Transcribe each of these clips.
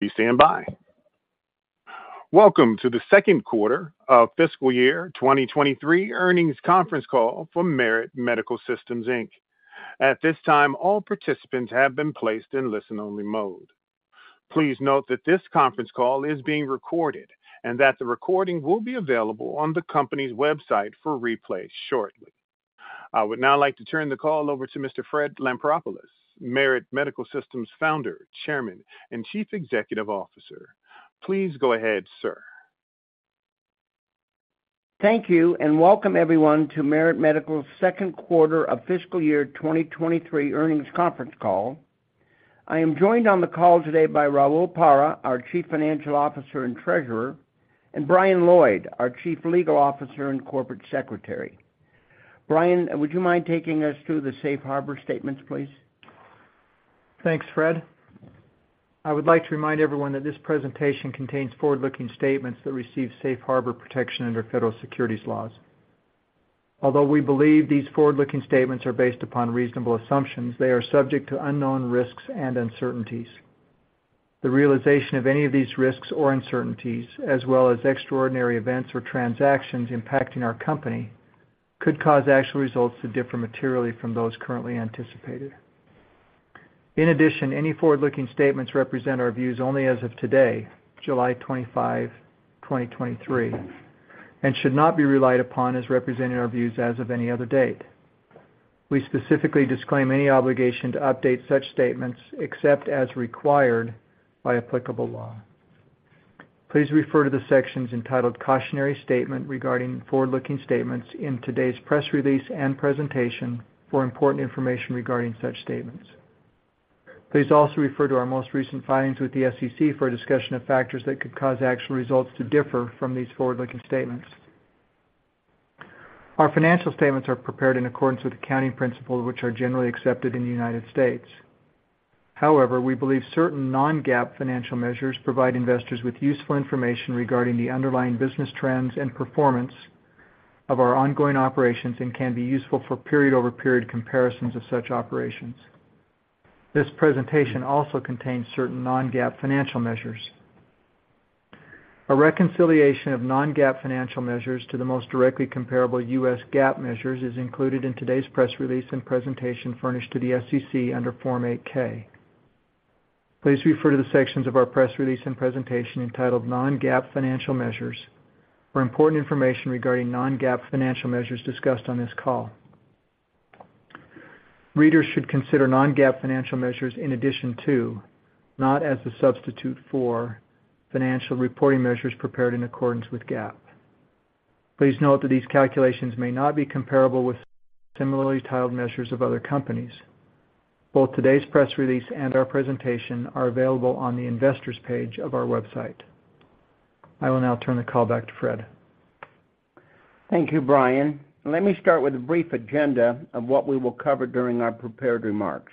Please stand by. Welcome to the Q2 of fiscal year 2023 Earnings Conference Call for Merit Medical Systems Inc. At this time, all participants have been placed in listen-only mode. Please note that this Conference Call is being recorded and that the recording will be available on the company's website for replay shortly. I would now like to turn the call over to Mr. Fred Lampropoulos, Merit Medical Systems Founder, Chairman, and Chief Executive Officer. Please go ahead, sir. Thank you. Welcome everyone to Merit Medical's Q2 of fiscal year 2023 Earnings Conference Call. I am joined on the call today by Raul Parra, our Chief Financial Officer and Treasurer, and Brian Lloyd, our Chief Legal Officer and Corporate Secretary. Brian, would you mind taking us through the Safe Harbor statements, please? Thanks, Fred. I would like to remind everyone that this presentation contains forward-looking statements that receive Safe Harbor protection under federal securities laws. Although we believe these forward-looking statements are based upon reasonable assumptions, they are subject to unknown risks and uncertainties. The realization of any of these risks or uncertainties, as well as extraordinary events or transactions impacting our company, could cause actual results to differ materially from those currently anticipated. In addition, any forward-looking statements represent our views only as of today, July 25, 2023, and should not be relied upon as representing our views as of any other date. We specifically disclaim any obligation to update such statements, except as required by applicable law. Please refer to the sections entitled "Cautionary Statement Regarding Forward-Looking Statements" in today's press release and presentation for important information regarding such statements. Please also refer to our most recent filings with the SEC for a discussion of factors that could cause actual results to differ from these forward-looking statements. Our financial statements are prepared in accordance with accounting principles, which are generally accepted in the United States. However, we believe certain non-GAAP financial measures provide investors with useful information regarding the underlying business trends and performance of our ongoing operations and can be useful for period-over-period comparisons of such operations. This presentation also contains certain non-GAAP financial measures. A reconciliation of non-GAAP financial measures to the most directly comparable U.S. GAAP measures is included in today's press release and presentation furnished to the SEC under Form 8-K. Please refer to the sections of our press release and presentation entitled "Non-GAAP Financial Measures" for important information regarding non-GAAP financial measures discussed on this call. Readers should consider non-GAAP financial measures in addition to, not as a substitute for, financial reporting measures prepared in accordance with GAAP. Please note that these calculations may not be comparable with similarly titled measures of other companies. Both today's press release and our presentation are available on the Investors page of our website. I will now turn the call back to Fred. Thank you, Brian. Let me start with a brief agenda of what we will cover during our prepared remarks.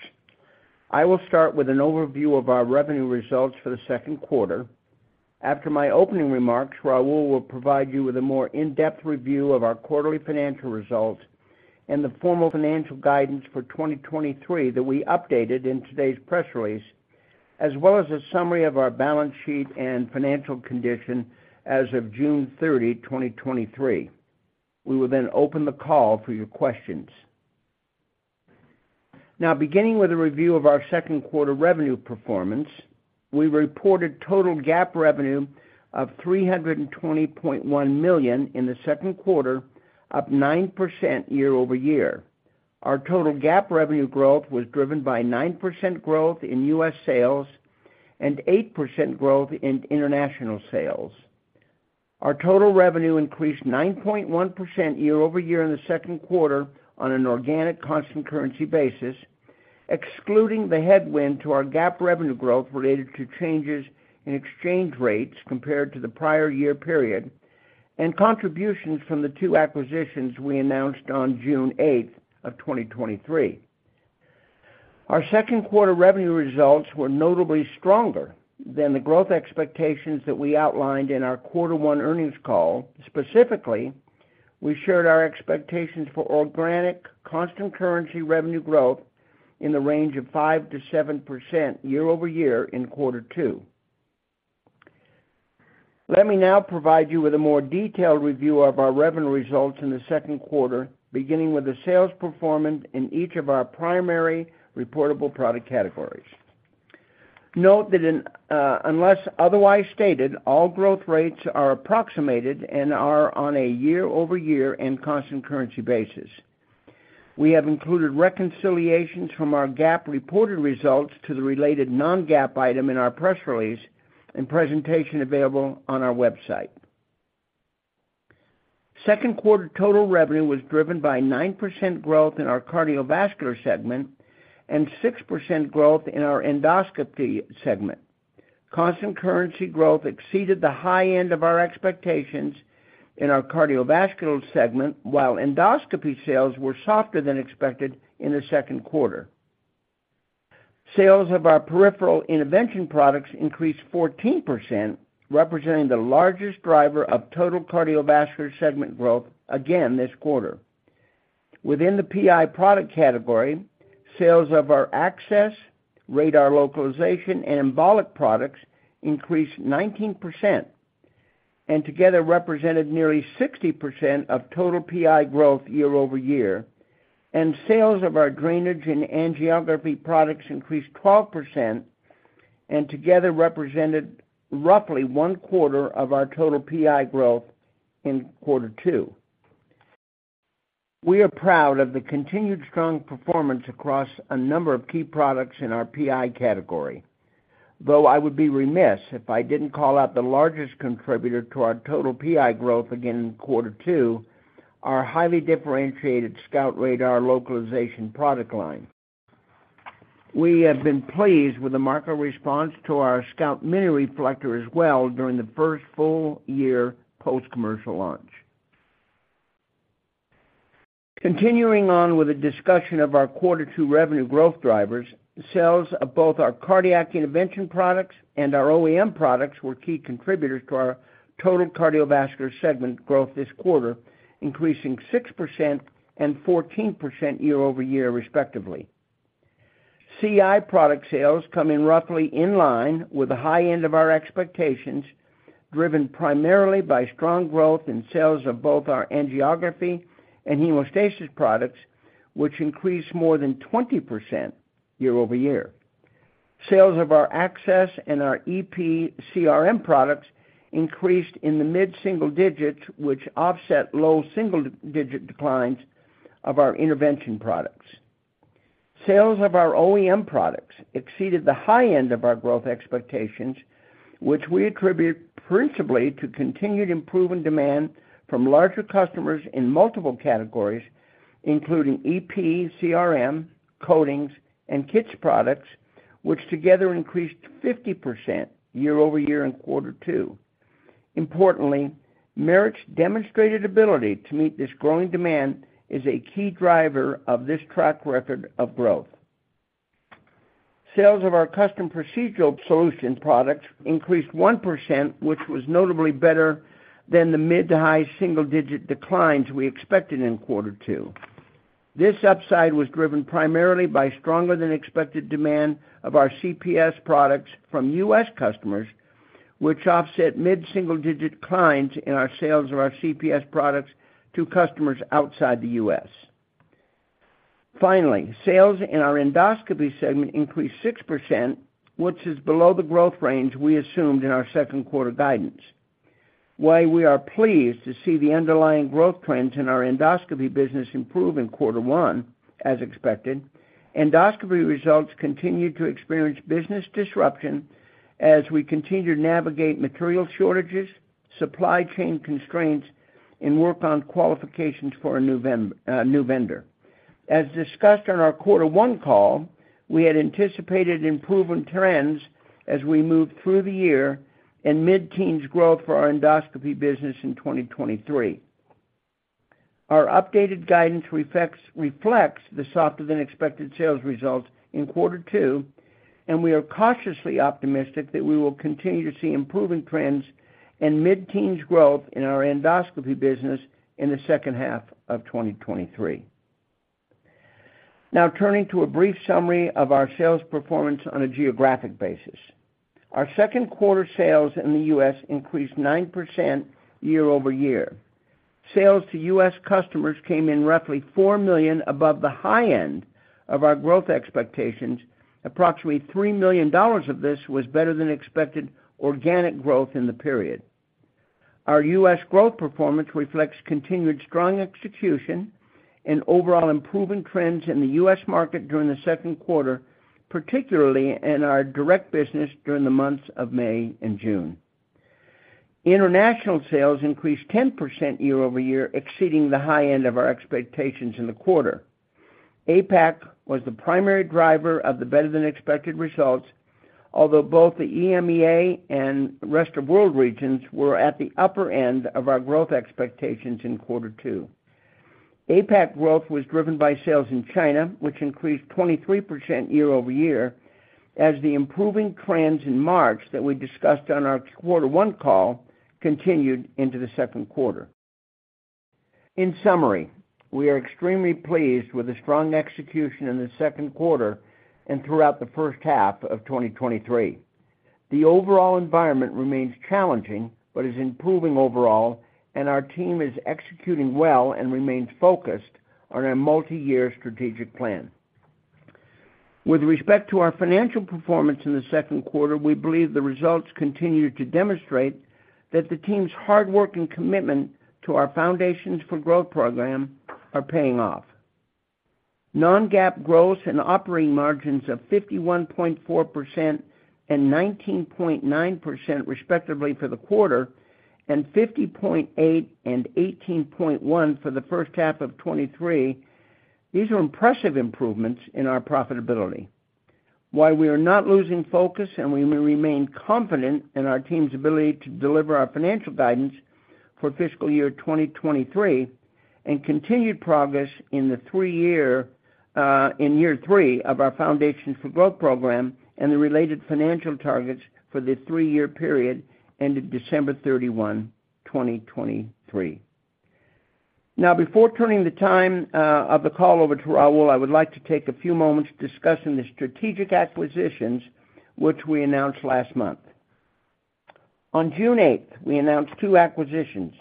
I will start with an overview of our revenue results for the Q2. After my opening remarks, Raul will provide you with a more in-depth review of our quarterly financial results and the formal financial guidance for 2023 that we updated in today's press release, as well as a summary of our balance sheet and financial condition as of June 30, 2023. We will then open the call for your questions. Now, beginning with a review of our Q2 revenue performance, we reported total GAAP revenue of $320.1 million in the Q2, up 9% year-over-year. Our total GAAP revenue growth was driven by 9% growth in U.S. sales and 8% growth in international sales. Our total revenue increased 9.1% year-over-year in the Q2 on an organic constant currency basis, excluding the headwind to our GAAP revenue growth related to changes in exchange rates compared to the prior year period, and contributions from the 2 acquisitions we announced on June 8, 2023. Our Q2 revenue results were notably stronger than the growth expectations that we outlined in our quarter one earnings call. Specifically, we shared our expectations for organic constant currency revenue growth in the range of 5%-7% year-over-year in Q2. Let me now provide you with a more detailed review of our revenue results in the Q2, beginning with the sales performance in each of our primary reportable product categories. Note that in... Unless otherwise stated, all growth rates are approximated and are on a year-over-year and constant currency basis. We have included reconciliations from our GAAP reported results to the related non-GAAP item in our press release and presentation available on our website. Q2 total revenue was driven by 9% growth in our cardiovascular segment and 6% growth in our endoscopy segment. Constant currency growth exceeded the high end of our expectations in our cardiovascular segment, while endoscopy sales were softer than expected in the Q2. Sales of our peripheral intervention products increased 14%, representing the largest driver of total cardiovascular segment growth again this quarter. Within the PI product category, sales of our access, radar localization, and embolic products increased 19%, and together represented nearly 60% of total PI growth year-over-year, and sales of our drainage and angiography products increased 12%, and together represented roughly one quarter of our total PI growth in Q2. We are proud of the continued strong performance across a number of key products in our PI category, though I would be remiss if I didn't call out the largest contributor to our total PI growth again in Q2, our highly differentiated SCOUT radar localization product line. We have been pleased with the market response to our SCOUT Mini Reflector as well during the first full year post-commercial launch. Continuing on with a discussion of our Q2 revenue growth drivers, sales of both our cardiac intervention products and our OEM products were key contributors to our total cardiovascular segment growth this quarter, increasing 6% and 14% year-over-year, respectively. CI product sales come in roughly in line with the high end of our expectations, driven primarily by strong growth in sales of both our angiography and hemostasis products, which increased more than 20% year-over-year. Sales of our access and our EP CRM products increased in the mid-single digits, which offset low single-digit declines of our intervention products. Sales of our OEM products exceeded the high end of our growth expectations, which we attribute principally to continued improving demand from larger customers in multiple categories, including EP, CRM, coatings, and kits products, which together increased 50% year-over-year in Q2. Importantly, Merit's demonstrated ability to meet this growing demand is a key driver of this track record of growth. Sales of our custom procedural solution products increased 1%, which was notably better than the mid to high single-digit declines we expected in Q2. This upside was driven primarily by stronger than expected demand of our CPS products from U.S. customers, which offset mid-single-digit declines in our sales of our CPS products to customers outside the U.S. Finally, sales in our endoscopy segment increased 6%, which is below the growth range we assumed in our Q2 guidance. While we are pleased to see the underlying growth trends in our endoscopy business improve in Q1, as expected, endoscopy results continued to experience business disruption as we continue to navigate material shortages, supply chain constraints, and work on qualifications for a new vendor. As discussed on our Q1 call, we had anticipated improving trends as we moved through the year and mid-teens growth for our endoscopy business in 2023. Our updated guidance reflects the softer than expected sales results in Q2. We are cautiously optimistic that we will continue to see improving trends and mid-teens growth in our endoscopy business in the H2 of 2023. Turning to a brief summary of our sales performance on a geographic basis. Our Q2 sales in the U.S. increased 9% year-over-year. Sales to U.S. customers came in roughly $4 million above the high end of our growth expectations. Approximately $3 million of this was better than expected organic growth in the period. Our U.S. growth performance reflects continued strong execution and overall improvement trends in the U.S. market during the Q2, particularly in our direct business during the months of May and June. International sales increased 10% year-over-year, exceeding the high end of our expectations in the quarter. APAC was the primary driver of the better-than-expected results, although both the EMEA and rest of world regions were at the upper end of our growth expectations in Q2. APAC growth was driven by sales in China, which increased 23% year-over-year, as the improving trends in March that we discussed on our Q1 call continued into the Q2. In summary, we are extremely pleased with the strong execution in the Q2 and throughout the H1 of 2023. The overall environment remains challenging, but is improving overall, and our team is executing well and remains focused on our multi-year strategic plan. With respect to our financial performance in the Q2, we believe the results continue to demonstrate that the team's hard work and commitment to our Foundations for Growth program are paying off. non-GAAP gross and operating margins of 51.4% and 19.9%, respectively, for the quarter, and 50.8% and 18.1% for the H1 of 2023, these are impressive improvements in our profitability. While we are not losing focus and we may remain confident in our team's ability to deliver our financial guidance for fiscal year 2023 and continued progress in the 3-year-... In year three of our Foundations for Growth program and the related financial targets for the three-year period ended December 31, 2023. Before turning the time of the call over to Raul Parra, I would like to take a few moments discussing the strategic acquisitions, which we announced last month. On June 8, we announced two acquisitions.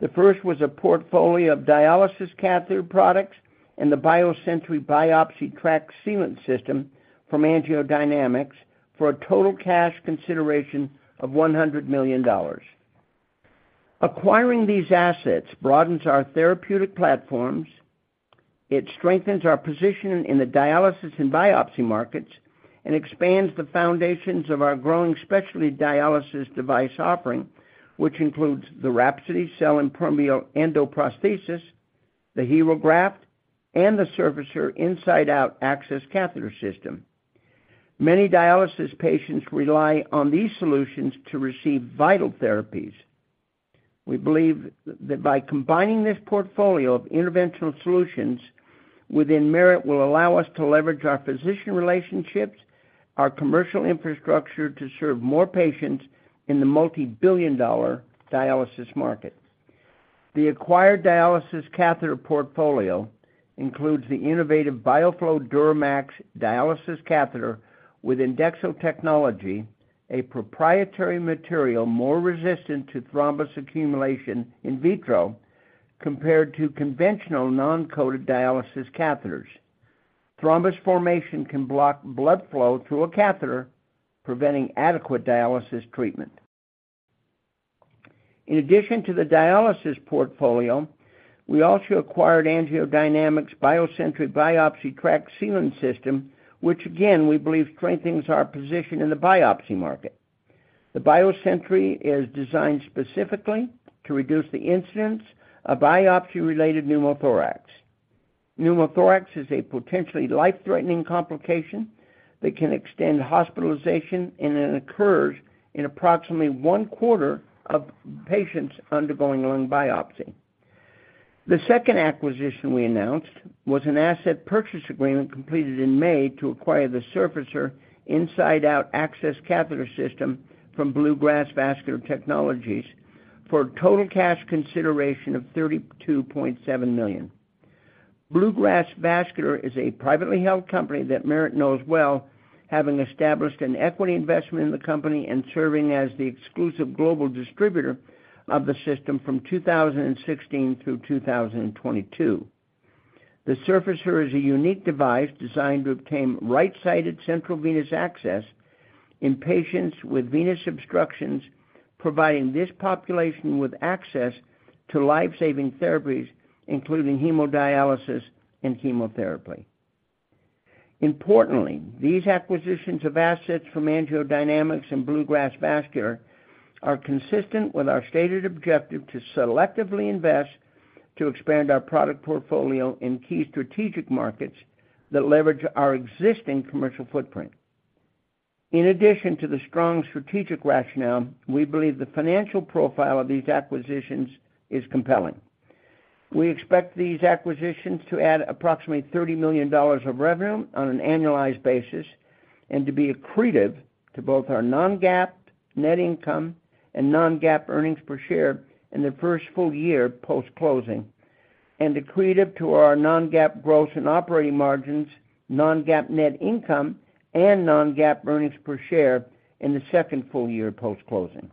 The first was a portfolio of dialysis catheter products and the BioSentry Biopsy Tract Sealant System from AngioDynamics for a total cash consideration of $100 million. Acquiring these assets broadens our therapeutic platforms, it strengthens our position in the dialysis and biopsy markets, and expands the foundations of our growing specialty dialysis device offering, which includes the WRAPSODY Cell-Impermeable Endoprosthesis, the HeRO Graft, and the Surfacer Inside-Out Access Catheter System. Many dialysis patients rely on these solutions to receive vital therapies. We believe that by combining this portfolio of interventional solutions within Merit will allow us to leverage our physician relationships, our commercial infrastructure, to serve more patients in the multibillion-dollar dialysis market. The acquired dialysis catheter portfolio includes the innovative BioFlo DuraMax dialysis catheter with Endexo technology, a proprietary material more resistant to thrombus accumulation in vitro compared to conventional non-coated dialysis catheters. Thrombus formation can block blood flow through a catheter, preventing adequate dialysis treatment. In addition to the dialysis portfolio, we also acquired AngioDynamics' BioSentry Biopsy Tract Sealant System, which again, we believe strengthens our position in the biopsy market. The BioSentry is designed specifically to reduce the incidence of biopsy-related pneumothorax. Pneumothorax is a potentially life-threatening complication that can extend hospitalization, and it occurs in approximately one-quarter of patients undergoing lung biopsy. The second acquisition we announced was an asset purchase agreement completed in May to acquire the Surfacer Inside-Out Access Catheter System from Bluegrass Vascular Technologies for a total cash consideration of $32.7 million. Bluegrass Vascular is a privately held company that Merit knows well, having established an equity investment in the company and serving as the exclusive global distributor of the system from 2016 through 2022. The Surfacer is a unique device designed to obtain right-sided central venous access in patients with venous obstructions, providing this population with access to life-saving therapies, including hemodialysis and chemotherapy. Importantly, these acquisitions of assets from AngioDynamics and Bluegrass Vascular are consistent with our stated objective to selectively invest to expand our product portfolio in key strategic markets that leverage our existing commercial footprint. In addition to the strong strategic rationale, we believe the financial profile of these acquisitions is compelling. We expect these acquisitions to add approximately $30 million of revenue on an annualized basis and to be accretive to both our non-GAAP net income and non-GAAP earnings per share in the first full year post-closing, and accretive to our non-GAAP gross and operating margins, non-GAAP net income, and non-GAAP earnings per share in the second full year post-closing.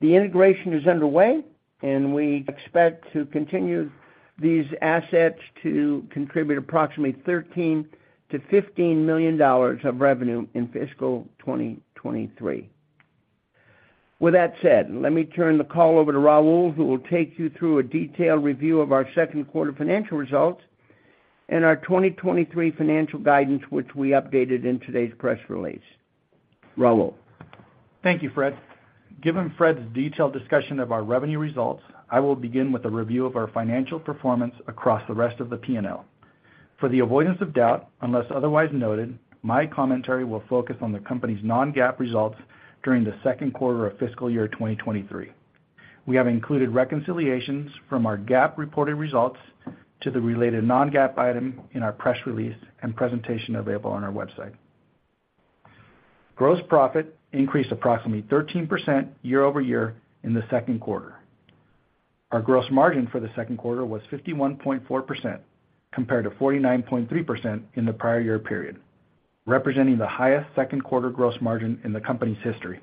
The integration is underway, we expect to continue these assets to contribute approximately $13 million-$15 million of revenue in fiscal 2023. With that said, let me turn the call over to Raul, who will take you through a detailed review of our Q2 financial results and our 2023 financial guidance, which we updated in today's press release. Raul? Thank you, Fred. Given Fred's detailed discussion of our revenue results, I will begin with a review of our financial performance across the rest of the P&L. For the avoidance of doubt, unless otherwise noted, my commentary will focus on the company's non-GAAP results during the Q2 of fiscal year 2023. We have included reconciliations from our GAAP reported results to the related non-GAAP item in our press release and presentation available on our website. Gross profit increased approximately 13% year-over-year in the Q2. Our gross margin for the Q2 was 51.4%, compared to 49.3% in the prior year period, representing the highest Q2 gross margin in the company's history.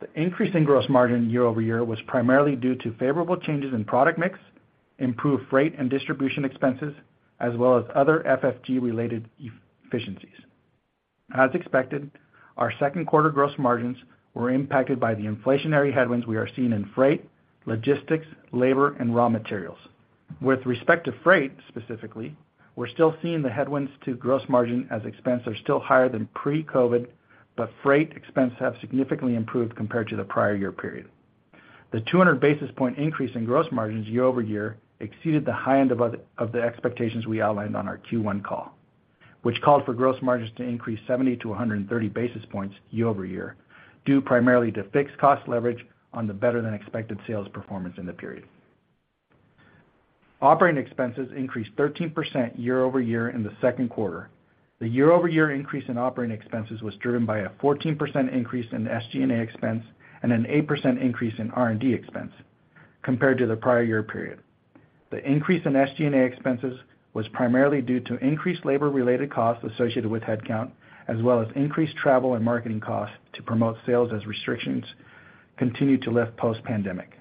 The increase in gross margin year-over-year was primarily due to favorable changes in product mix, improved freight and distribution expenses, as well as other FFG-related efficiencies. As expected, our Q2 gross margins were impacted by the inflationary headwinds we are seeing in freight, logistics, labor, and raw materials. With respect to freight, specifically, we're still seeing the headwinds to gross margin as expenses are still higher than pre-COVID, but freight expenses have significantly improved compared to the prior year period. The 200 basis point increase in gross margins year-over-year exceeded the high end of the expectations we outlined on our Q1 call, which called for gross margins to increase 70-130 basis points year-over-year, due primarily to fixed cost leverage on the better-than-expected sales performance in the period. Operating expenses increased 13% year-over-year in the Q2. The year-over-year increase in operating expenses was driven by a 14% increase in SG&A expense and an 8% increase in R&D expense compared to the prior year period. The increase in SG&A expenses was primarily due to increased labor-related costs associated with headcount, as well as increased travel and marketing costs to promote sales as restrictions continue to lift post-pandemic.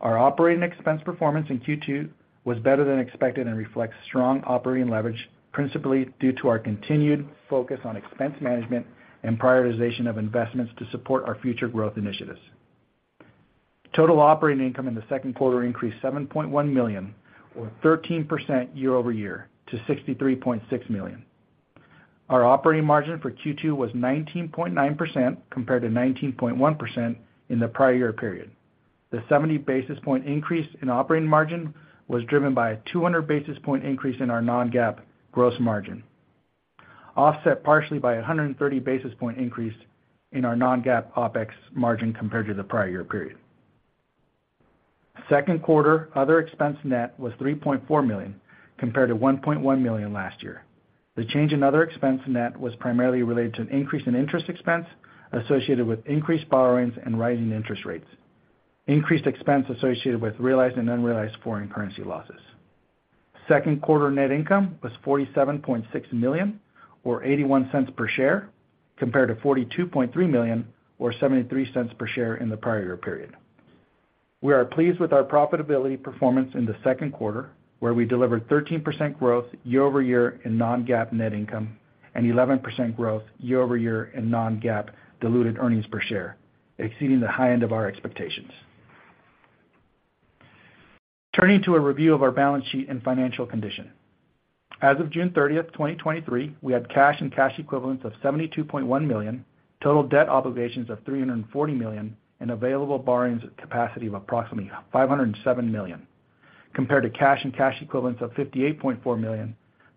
Our operating expense performance in Q2 was better than expected and reflects strong operating leverage, principally due to our continued focus on expense management and prioritization of investments to support our future growth initiatives. Total operating income in the Q2 increased $7.1 million, or 13% year-over-year, to $63.6 million. Our operating margin for Q2 was 19.9%, compared to 19.1% in the prior year period. The 70 basis point increase in operating margin was driven by a 200 basis point increase in our non-GAAP gross margin, offset partially by a 130 basis point increase in our non-GAAP OpEx margin compared to the prior year period. Q2 other expense net was $3.4 million, compared to $1.1 million last year. The change in other expense net was primarily related to an increase in interest expense associated with increased borrowings and rising interest rates, increased expense associated with realized and unrealized foreign currency losses. Q2 net income was $47.6 million, or $0.81 per share, compared to $42.3 million, or $0.73 per share in the prior year period. We are pleased with our profitability performance in the Q2, where we delivered 13% growth year-over-year in non-GAAP net income and 11% growth year-over-year in non-GAAP diluted earnings per share, exceeding the high end of our expectations. Turning to a review of our balance sheet and financial condition. As of June 30th, 2023, we had cash and cash equivalents of $72.1 million, total debt obligations of $340 million, and available borrowings capacity of approximately $507 million, compared to cash and cash equivalents of $58.4 million,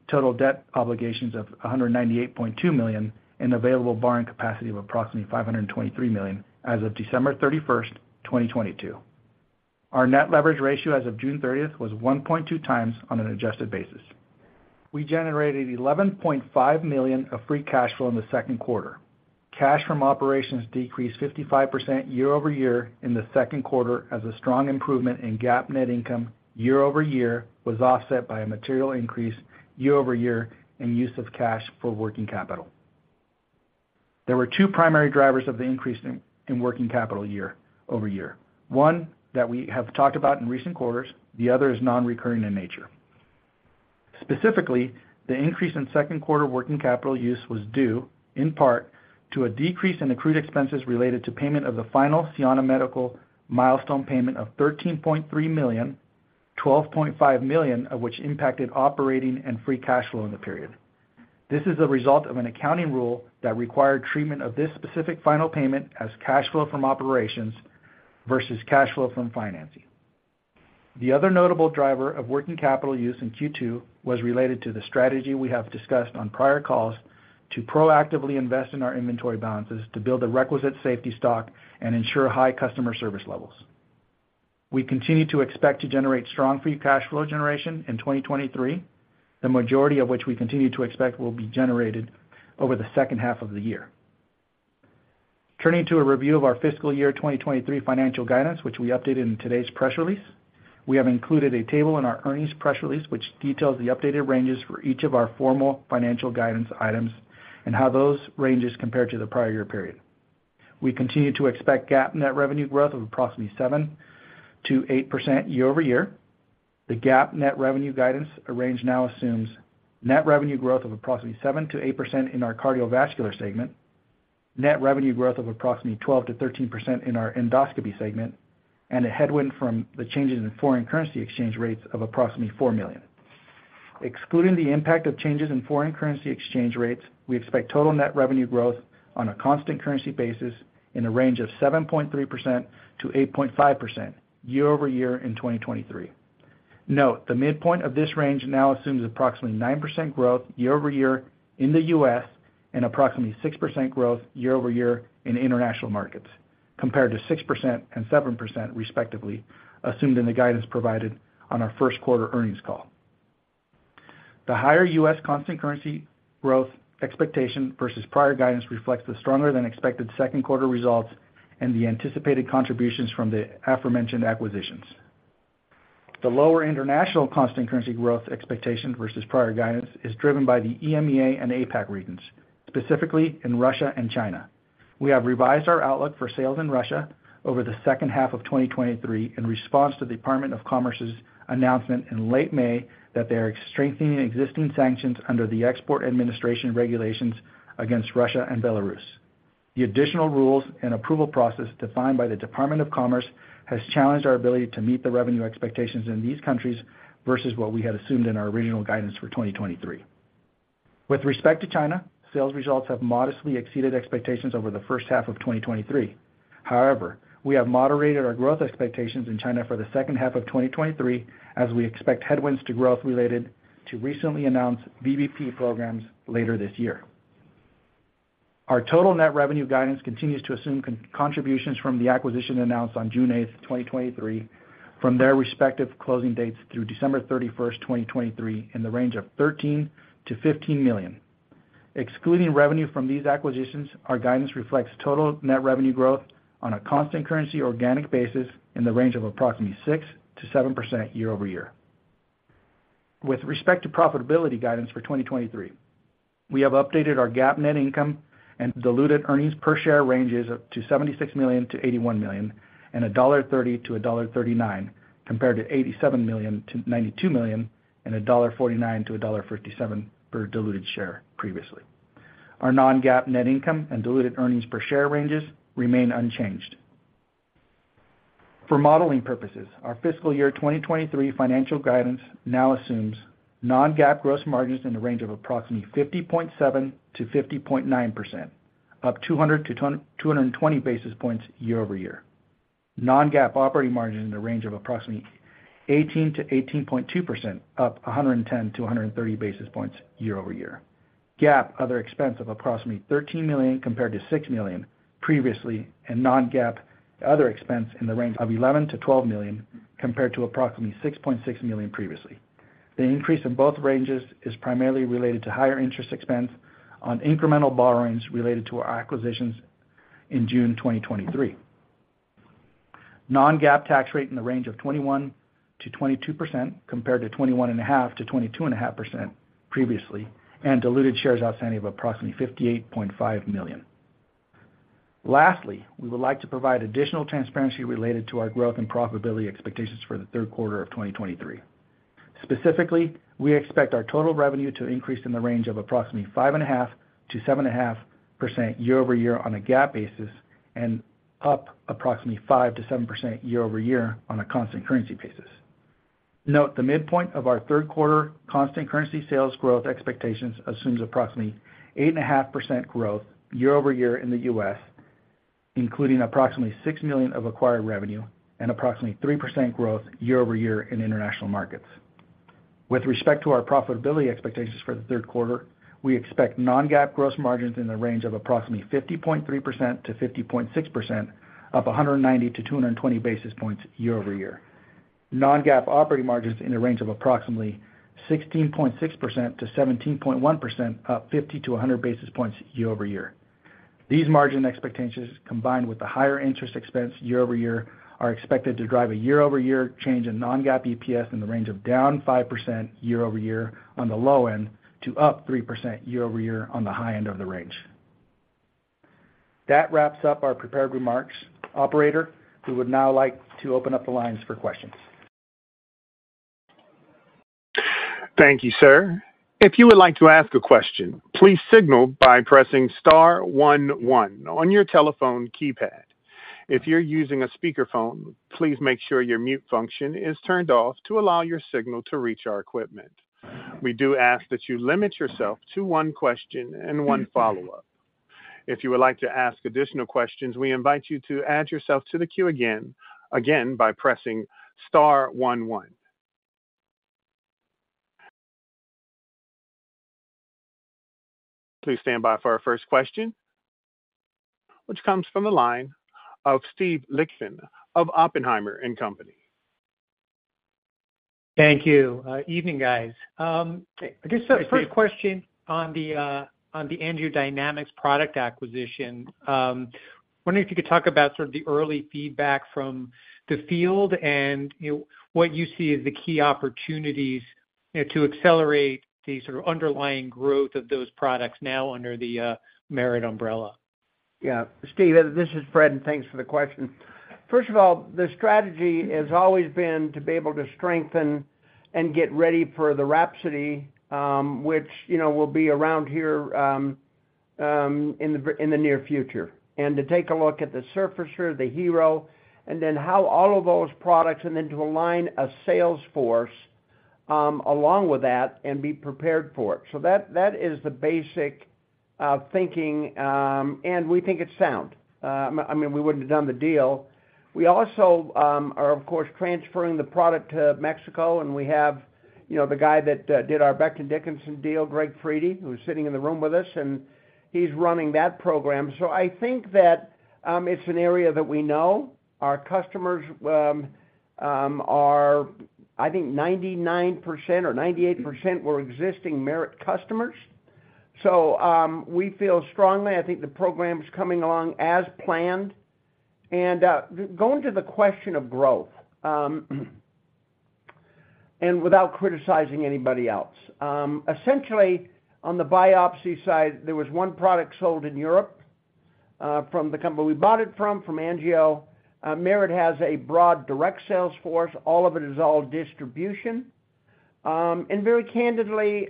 total debt obligations of $198.2 million, and available borrowing capacity of approximately $523 million as of December 31st, 2022. Our net leverage ratio as of June 30th was 1.2 times on an adjusted basis. We generated $11.5 million of free cash flow in the Q2. Cash from operations decreased 55% year-over-year in the Q2, as a strong improvement in GAAP net income year-over-year was offset by a material increase year-over-year in use of cash for working capital. There were two primary drivers of the increase in working capital year-over-year. One, that we have talked about in recent quarters, the other is non-recurring in nature. Specifically, the increase in Q2 working capital use was due, in part, to a decrease in accrued expenses related to payment of the final Cianna Medical milestone payment of $13.3 million, $12.5 million of which impacted operating and free cash flow in the period. This is a result of an accounting rule that required treatment of this specific final payment as cash flow from operations versus cash flow from financing. The other notable driver of working capital use in Q2 was related to the strategy we have discussed on prior calls to proactively invest in our inventory balances to build the requisite safety stock and ensure high customer service levels. We continue to expect to generate strong free cash flow generation in 2023, the majority of which we continue to expect will be generated over the H2of the year. Turning to a review of our fiscal year 2023 financial guidance, which we updated in today's press release. We have included a table in our earnings press release, which details the updated ranges for each of our formal financial guidance items and how those ranges compare to the prior year period. We continue to expect GAAP net revenue growth of approximately 7%-8% year-over-year. The GAAP net revenue guidance range now assumes net revenue growth of approximately 7%-8% in our cardiovascular segment, net revenue growth of approximately 12%-13% in our endoscopy segment, and a headwind from the changes in foreign currency exchange rates of approximately $4 million. Excluding the impact of changes in foreign currency exchange rates, we expect total net revenue growth on a constant currency basis in a range of 7.3%-8.5% year-over-year in 2023. Note, the midpoint of this range now assumes approximately 9% growth year-over-year in the U.S. and approximately 6% growth year-over-year in international markets, compared to 6% and 7% respectively, assumed in the guidance provided on our Q1 Earnings Call. The higher U.S. constant currency growth expectation versus prior guidance reflects the stronger-than-expected Q2 results and the anticipated contributions from the aforementioned acquisitions. The lower international constant currency growth expectation versus prior guidance is driven by the EMEA and APAC regions, specifically in Russia and China. We have revised our outlook for sales in Russia over the H2 of 2023 in response to the Department of Commerce's announcement in late May that they are strengthening existing sanctions under the Export Administration Regulations against Russia and Belarus. The additional rules and approval process defined by the Department of Commerce has challenged our ability to meet the revenue expectations in these countries versus what we had assumed in our original guidance for 2023. With respect to China, sales results have modestly exceeded expectations over the H1 of 2023. We have moderated our growth expectations in China for the H2 of 2023, as we expect headwinds to growth related to recently announced VBP programs later this year. Our total net revenue guidance continues to assume contributions from the acquisition announced on June 8, 2023, from their respective closing dates through December 31, 2023, in the range of $13 million-$15 million. Excluding revenue from these acquisitions, our guidance reflects total net revenue growth on a constant currency organic basis in the range of approximately 6%-7% year-over-year. With respect to profitability guidance for 2023, we have updated our GAAP net income and diluted earnings per share ranges up to $76 million-$81 million and $1.30-$1.39, compared to $87 million-$92 million and $1.49-$1.57 per diluted share previously. Our non-GAAP net income and diluted earnings per share ranges remain unchanged. For modeling purposes, our fiscal year 2023 financial guidance now assumes non-GAAP gross margins in the range of approximately 50.7%-50.9%, up 200-220 basis points year-over-year. Non-GAAP operating margin in the range of approximately 18%-18.2%, up 110-130 basis points year-over-year. GAAP other expense of approximately $13 million compared to $6 million previously, and non-GAAP other expense in the range of $11 million-$12 million, compared to approximately $6.6 million previously. The increase in both ranges is primarily related to higher interest expense on incremental borrowings related to our acquisitions in June 2023. Non-GAAP tax rate in the range of 21%-22%, compared to 21.5%-22.5% previously, and diluted shares outstanding of approximately 58.5 million. Lastly, we would like to provide additional transparency related to our growth and profitability expectations for the Q3 of 2023. Specifically, we expect our total revenue to increase in the range of approximately 5.5%-7.5% year-over-year on a GAAP basis, and up approximately 5%-7% year-over-year on a constant currency basis. Note, the midpoint of our Q3 constant currency sales growth expectations assumes approximately 8.5% growth year-over-year in the U.S., including approximately $6 million of acquired revenue and approximately 3% growth year-over-year in international markets. With respect to our profitability expectations for the Q3, we expect non-GAAP gross margins in the range of approximately 50.3%-50.6%, up 190-220 basis points year-over-year. Non-GAAP operating margins in the range of approximately 16.6%-17.1%, up 50 to 100 basis points year-over-year. These margin expectations, combined with the higher interest expense year-over-year, are expected to drive a year-over-year change in non-GAAP EPS in the range of down 5% year-over-year on the low end, to up 3% year-over-year on the high end of the range. That wraps up our prepared remarks. Operator, we would now like to open up the lines for questions. Thank you, sir. If you would like to ask a question, please signal by pressing star one on your telephone keypad. If you're using a speakerphone, please make sure your mute function is turned off to allow your signal to reach our equipment. We do ask that you limit yourself to one question and one follow-up. If you would like to ask additional questions, we invite you to add yourself to the queue again, by pressing star one. Please stand by for our first question, which comes from the line of Steven Lichtman of Oppenheimer and Company. Thank you. Evening, guys. I guess the first question on the AngioDynamics product acquisition, wondering if you could talk about sort of the early feedback from the field and, you know, what you see as the key opportunities to accelerate the sort of underlying growth of those products now under the Merit umbrella? Yeah. Steve, this is Fred, thanks for the question. First of all, the strategy has always been to be able to strengthen and get ready for the WRAPSODY, which, you know, will be around here in the near future. To take a look at the Surfacer, the HeRO, and then how all of those products, and then to align a sales force along with that and be prepared for it. That is the basic thinking, and we think it's sound. I mean, we wouldn't have done the deal. We also are, of course, transferring the product to Mexico, and we have, you know, the guy that did our Becton, Dickinson deal, Greg Fredde, who's sitting in the room with us, and he's running that program. I think that it's an area that we know. Our customers are I think 99% or 98% were existing Merit customers. We feel strongly. I think the program is coming along as planned. Going to the question of growth, and without criticizing anybody else, essentially, on the biopsy side, there was 1 product sold in Europe, from the company we bought it from Angio. Merit has a broad, direct sales force. All of it is all distribution. And very candidly,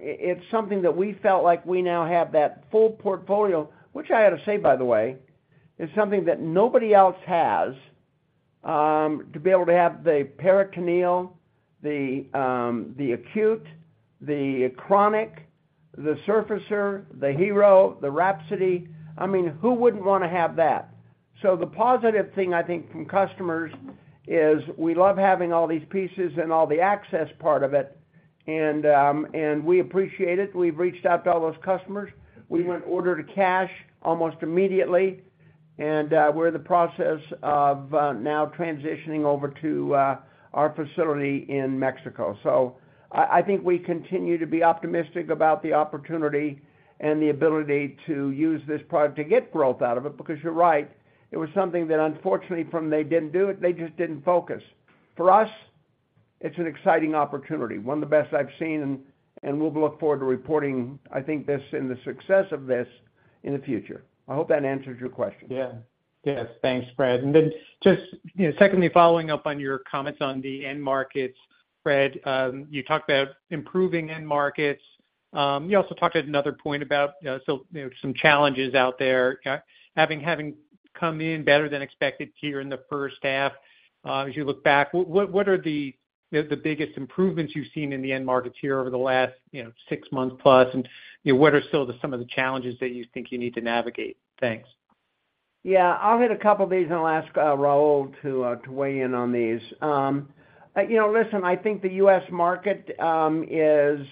it's something that we felt like we now have that full portfolio, which I ought to say, by the way, is something that nobody else has. to be able to have the percutaneous, the acute, the chronic, the Surfacer, the HeRO, the WRAPSODY. I mean, who wouldn't wanna have that? The positive thing, I think, from customers is we love having all these pieces and all the access part of it, and we appreciate it. We've reached out to all those customers. We went order to cash almost immediately, and we're in the process of now transitioning over to our facility in Mexico. I think we continue to be optimistic about the opportunity and the ability to use this product to get growth out of it, because you're right, it was something that unfortunately, from they didn't do it, they just didn't focus. For us, it's an exciting opportunity, one of the best I've seen, and we'll look forward to reporting, I think, this and the success of this in the future. I hope that answers your question. Yeah. Yes, thanks, Fred. just, you know, secondly, following up on your comments on the end markets, Fred, you talked about improving end markets. you also talked at another point about, you know, so, you know, some challenges out there, having come in better than expected here in the H1. as you look back, what are the biggest improvements you've seen in the end markets here over the last, you know, 6 months plus? you know, what are still some of the challenges that you think you need to navigate? Thanks. Yeah, I'll hit a couple of these. I'll ask Raul to weigh in on these. You know, listen, I think the U.S. market is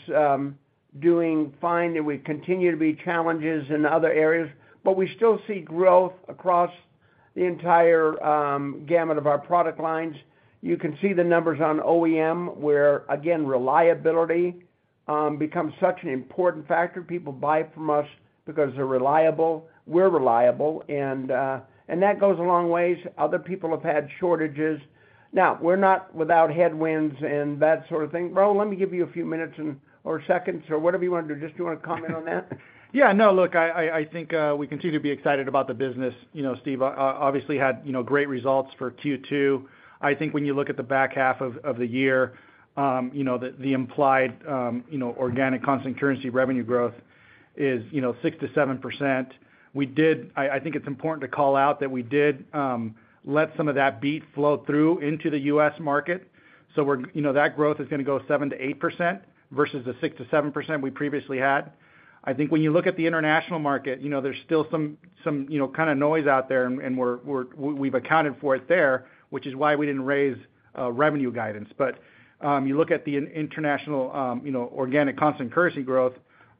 doing fine, and we continue to be challenges in other areas, but we still see growth across the entire gamut of our product lines. You can see the numbers on OEM, where, again, reliability becomes such an important factor. People buy from us because they're reliable, we're reliable, and that goes a long ways. Other people have had shortages. Now, we're not without headwinds and that sort of thing. Raul, let me give you a few minutes or seconds or whatever you want to do. Just do you wanna comment on that? Yeah, no, look, I think we continue to be excited about the business. You know, Steve, obviously had, you know, great results for Q2. I think when you look at the back half of the year, you know, the implied, you know, organic constant currency revenue growth is, you know, 6%-7%. I think it's important to call out that we did let some of that beat flow through into the U.S. market. You know, that growth is gonna go 7%-8% versus the 6%-7% we previously had. I think when you look at the international market, you know, there's still some, you know, kind of noise out there, and we've accounted for it there, which is why we didn't raise revenue guidance. You look at the international, you know, organic constant currency growth,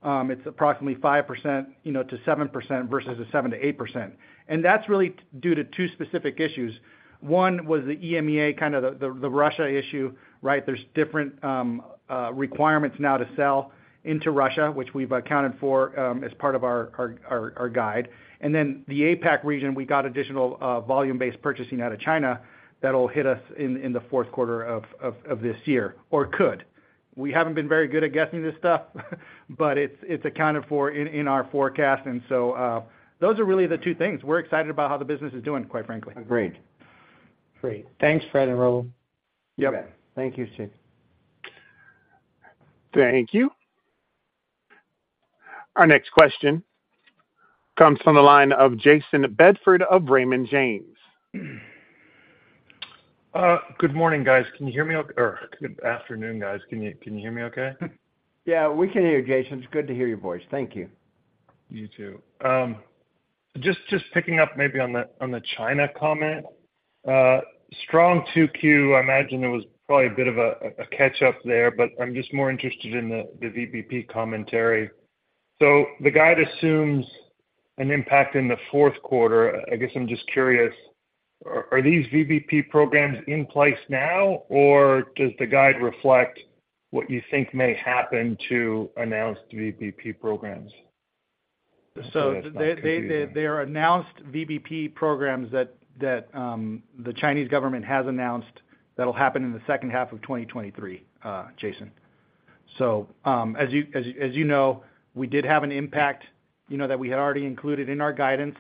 it's approximately 5%-7% versus the 7%-8%. That's really due to two specific issues. One was the EMEA, kind of the Russia issue, right? There's different requirements now to sell into Russia, which we've accounted for as part of our guide. Then the APAC region, we got additional volume-based purchasing out of China that'll hit us in the Q4 of this year, or could. We haven't been very good at guessing this stuff, but it's accounted for in our forecast. So, those are really the two things. We're excited about how the business is doing, quite frankly. Agreed. Great. Thanks, Fred and Raul. Yep. Thank you, Steve. Thank you. Our next question comes from the line of Jayson Bedford of Raymond James. Good morning, guys. Can you hear me? Good afternoon, guys. Can you hear me okay? Yeah, we can hear you, Jason. It's good to hear your voice. Thank you. You too. Just picking up maybe on the China comment. Strong 2Q, I imagine it was probably a bit of a catch up there. I'm just more interested in the VBP commentary. The guide assumes an impact in the Q4. I guess I'm just curious, are these VBP programs in place now, or does the guide reflect what you think may happen to announce VBP programs? They are announced VBP programs that the Chinese government has announced that'll happen in the H2 of 2023, Jason. As you know, we did have an impact, you know, that we had already included in our guidance,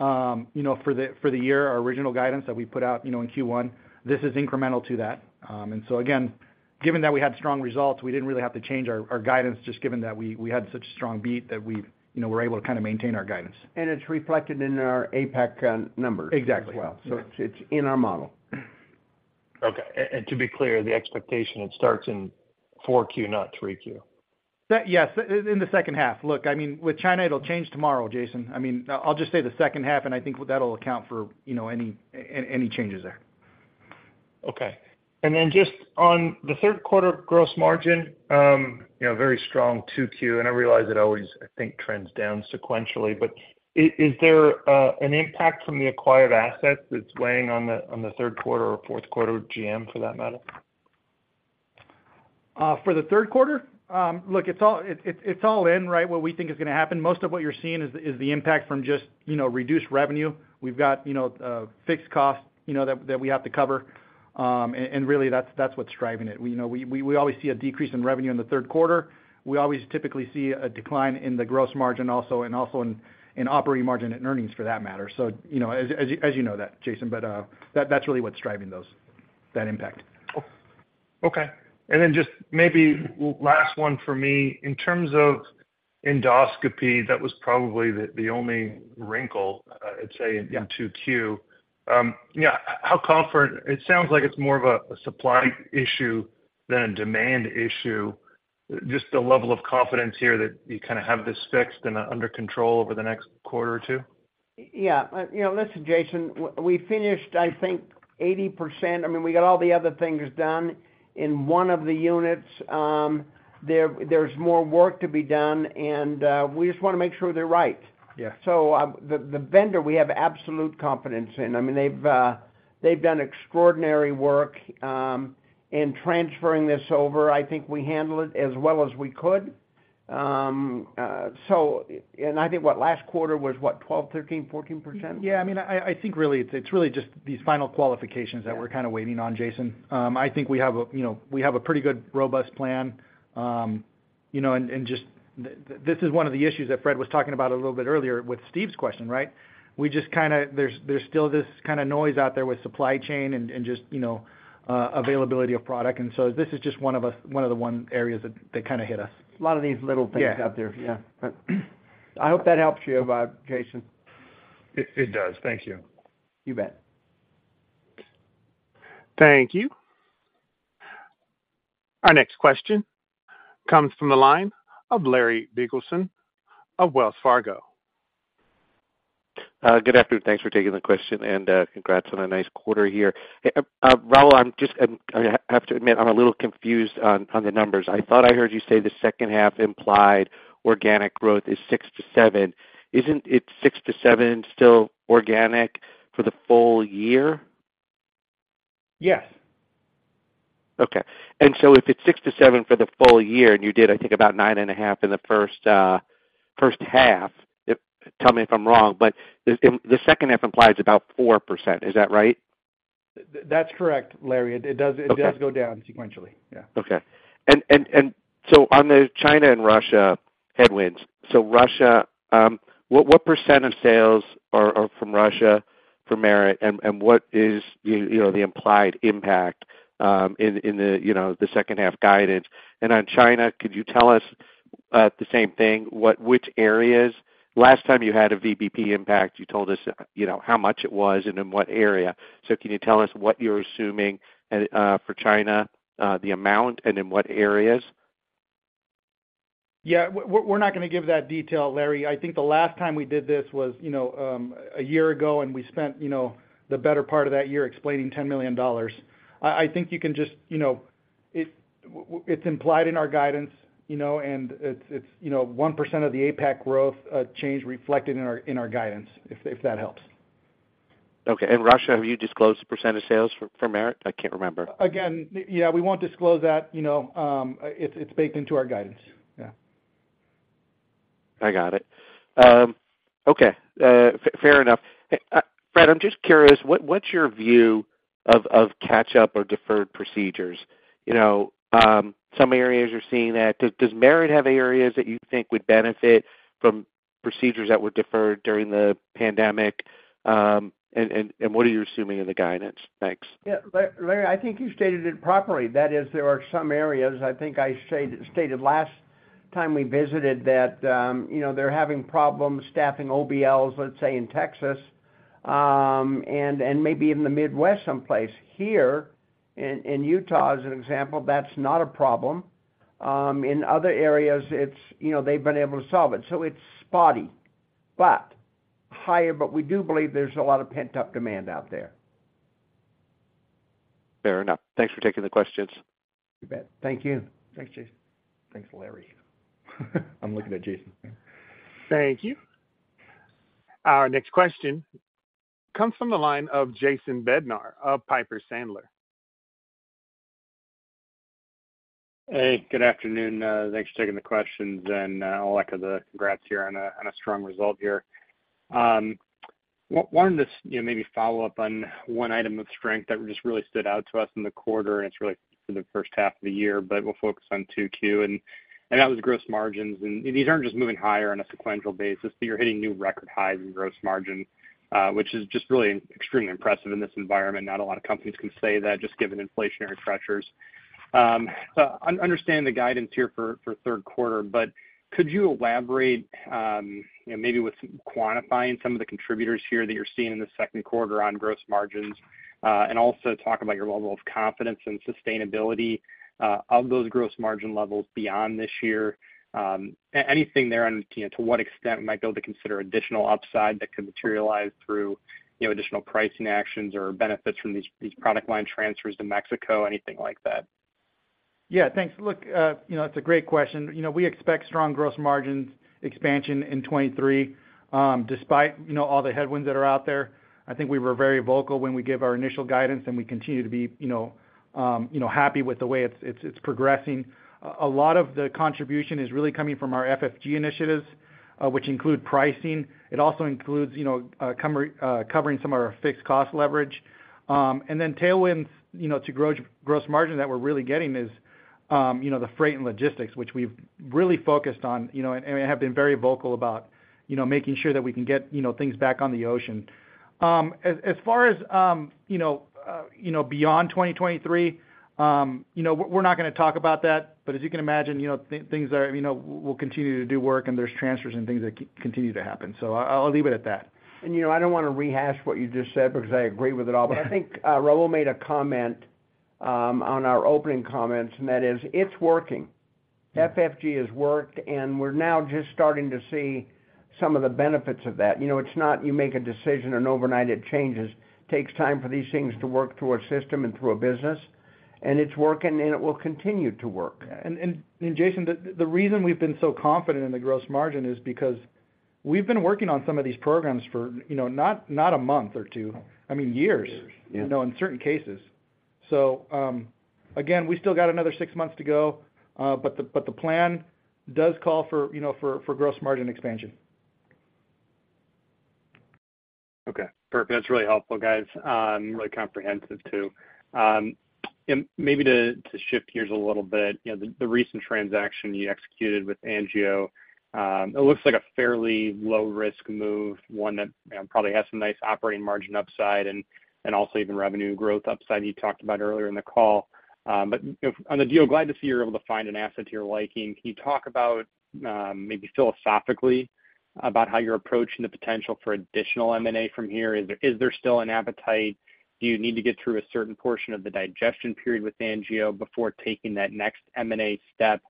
you know, for the year, our original guidance that we put out, you know, in Q1. This is incremental to that. Again, given that we had strong results, we didn't really have to change our guidance, just given that we had such a strong beat that we, you know, we're able to kind of maintain our guidance. It's reflected in our APAC, numbers. Exactly. as well. It's in our model. Okay. To be clear, the expectation, it starts in 4Q, not 3Q? Yes, in the H2. Look, I mean, with China, it'll change tomorrow, Jason. I mean, I'll just say the H2, and I think that'll account for, you know, any changes there. Okay. Just on the Q3 gross margin, you know, very strong 2Q, and I realize it always, I think, trends down sequentially. Is there an impact from the acquired assets that's weighing on the Q3 or Q4 GM, for that matter? For the Q3, look, it's all, it's all in, right? What we think is gonna happen, most of what you're seeing is the impact from just, you know, reduced revenue. We've got, you know, fixed costs, you know, that we have to cover. And really, that's what's driving it. We, you know, we always see a decrease in revenue in the Q3. We always typically see a decline in the gross margin also, and also in operating margin and earnings, for that matter. You know, as you, as you know that, Jason, that's really what's driving those, that impact. Okay. Just maybe last one for me. In terms of endoscopy, that was probably the only wrinkle, I'd say in 2Q. Yeah, how confident it sounds like it's more of a supply issue than a demand issue, just the level of confidence here that you kind of have this fixed and under control over the next quarter or two? Yeah. you know, listen, Jason, we finished, I think, 80%. I mean, we got all the other things done in one of the units. there's more work to be done, and, we just wanna make sure they're right. Yeah. The vendor, we have absolute confidence in. I mean, they've done extraordinary work in transferring this over. I think we handled it as well as we could. And I think, what, last quarter was, what? 12%, 13%, 14%? I mean, I think really, it's really just these final qualifications... Yeah. -that we're kind of waiting on, Jason. I think we have a, you know, we have a pretty good, robust plan. Just this is one of the issues that Fred was talking about a little bit earlier with Steve's question, right? There's still this kind of noise out there with supply chain and just, you know, availability of product. This is just one of the one areas that kind of hit us. A lot of these little things. Yeah. -out there. Yeah, I hope that helps you, Jason. It does. Thank you. You bet. Thank you. Our next question comes from the line of Larry Biegelsen of Wells Fargo. Good afternoon. Thanks for taking the question, and congrats on a nice quarter here. Raul, I'm just, I have to admit, I'm a little confused on the numbers. I thought I heard you say the H2 implied organic growth is 6%-7%. Isn't it 6%-7%, still organic for the full year? Yes. Okay. If it's 6%-7% for the full year, and you did, I think, about 9.5% in the H1, if, tell me if I'm wrong, the H2 implies about 4%. Is that right? That's correct, Larry. Okay. It does go down sequentially. Yeah. Okay. On the China and Russia headwinds, Russia, what % of sales are from Russia for Merit, and what is the, you know, the implied impact in the, you know, the H2 guidance? On China, could you tell us the same thing, which areas? Last time you had a VBP impact, you told us, you know, how much it was and in what area. Can you tell us what you're assuming, and for China, the amount and in what areas? Yeah, we're not gonna give that detail, Larry. I think the last time we did this was, you know, a year ago, and we spent, you know, the better part of that year explaining $10 million. I think you can just... You know, it's implied in our guidance, you know, and it's, you know, 1% of the APAC growth change reflected in our guidance, if that helps. Okay. Russia, have you disclosed the % of sales for Merit? I can't remember. Yeah, we won't disclose that. You know, it's baked into our guidance. Yeah. I got it. Okay, fair enough. Fred, I'm just curious, what's your view of catch-up or deferred procedures? You know, some areas you're seeing that. Does Merit have areas that you think would benefit from procedures that were deferred during the pandemic? What are you assuming in the guidance? Thanks. Yeah. Larry, I think you stated it properly. That is, there are some areas, I think I stated last time we visited, that, you know, they're having problems staffing OBLs, let's say, in Texas, and maybe in the Midwest someplace. Here, in Utah, as an example, that's not a problem. In other areas, it's, you know, they've been able to solve it. It's spotty, but higher, but we do believe there's a lot of pent-up demand out there. Fair enough. Thanks for taking the questions. You bet. Thank you. Thanks, Jason. Thanks, Larry. I'm looking at Jason. Thank you. Our next question comes from the line of Jason Bednar of Piper Sandler. Hey, good afternoon. Thanks for taking the questions, and all heck of the congrats here on a strong result here. Wanted to, you know, maybe follow up on one item of strength that just really stood out to us in the quarter, and it's really for the H1 of the year, but we'll focus on Q2, and that was gross margins. These aren't just moving higher on a sequential basis, but you're hitting new record highs in gross margin, which is just really extremely impressive in this environment. Not a lot of companies can say that, just given inflationary pressures. Understand the guidance here for Q3, but could you elaborate, you know, maybe with quantifying some of the contributors here that you're seeing in the Q2 on gross margins? Also talk about your level of confidence and sustainability, of those gross margin levels beyond this year. Anything there on, you know, to what extent we might be able to consider additional upside that could materialize through, you know, additional pricing actions or benefits from these product line transfers to Mexico, anything like that? Yeah, thanks. Look, you know, it's a great question. You know, we expect strong gross margins expansion in 2023, despite, you know, all the headwinds that are out there. I think we were very vocal when we gave our initial guidance, we continue to be, you know, happy with the way it's progressing. A lot of the contribution is really coming from our FFG initiatives, which include pricing. It also includes, you know, covering some of our fixed cost leverage. Tailwinds, you know, to gross margin that we're really getting, you know, the freight and logistics, which we've really focused on, you know, and have been very vocal about, you know, making sure that we can get, you know, things back on the ocean. As far as, you know, you know, beyond 2023, you know, we're not going to talk about that. As you can imagine, you know, things are, you know, we'll continue to do work, and there's transfers and things that continue to happen. I'll leave it at that. you know, I don't want to rehash what you just said because I agree with it all. I think, Raul made a comment, on our opening comments, and that is, it's working. FFG has worked, and we're now just starting to see some of the benefits of that. You know, it's not you make a decision and overnight it changes. Takes time for these things to work through our system and through our business, and it's working, and it will continue to work. Yeah. Jason, the reason we've been so confident in the gross margin is because we've been working on some of these programs for, you know, not a month or two, I mean, years- Years. you know, in certain cases. again, we still got another six months to go, but the plan does call for, you know, for gross margin expansion. Okay, perfect. That's really helpful, guys, really comprehensive, too. Maybe to shift gears a little bit, you know, the recent transaction you executed with Angio, it looks like a fairly low-risk move, one that, probably has some nice operating margin upside and also even revenue growth upside you talked about earlier in the call. You know, on the deal, glad to see you're able to find an asset to your liking. Can you talk about, maybe philosophically, about how you're approaching the potential for additional M&A from here? Is there still an appetite? Do you need to get through a certain portion of the digestion period with Angio before taking that next M&A step?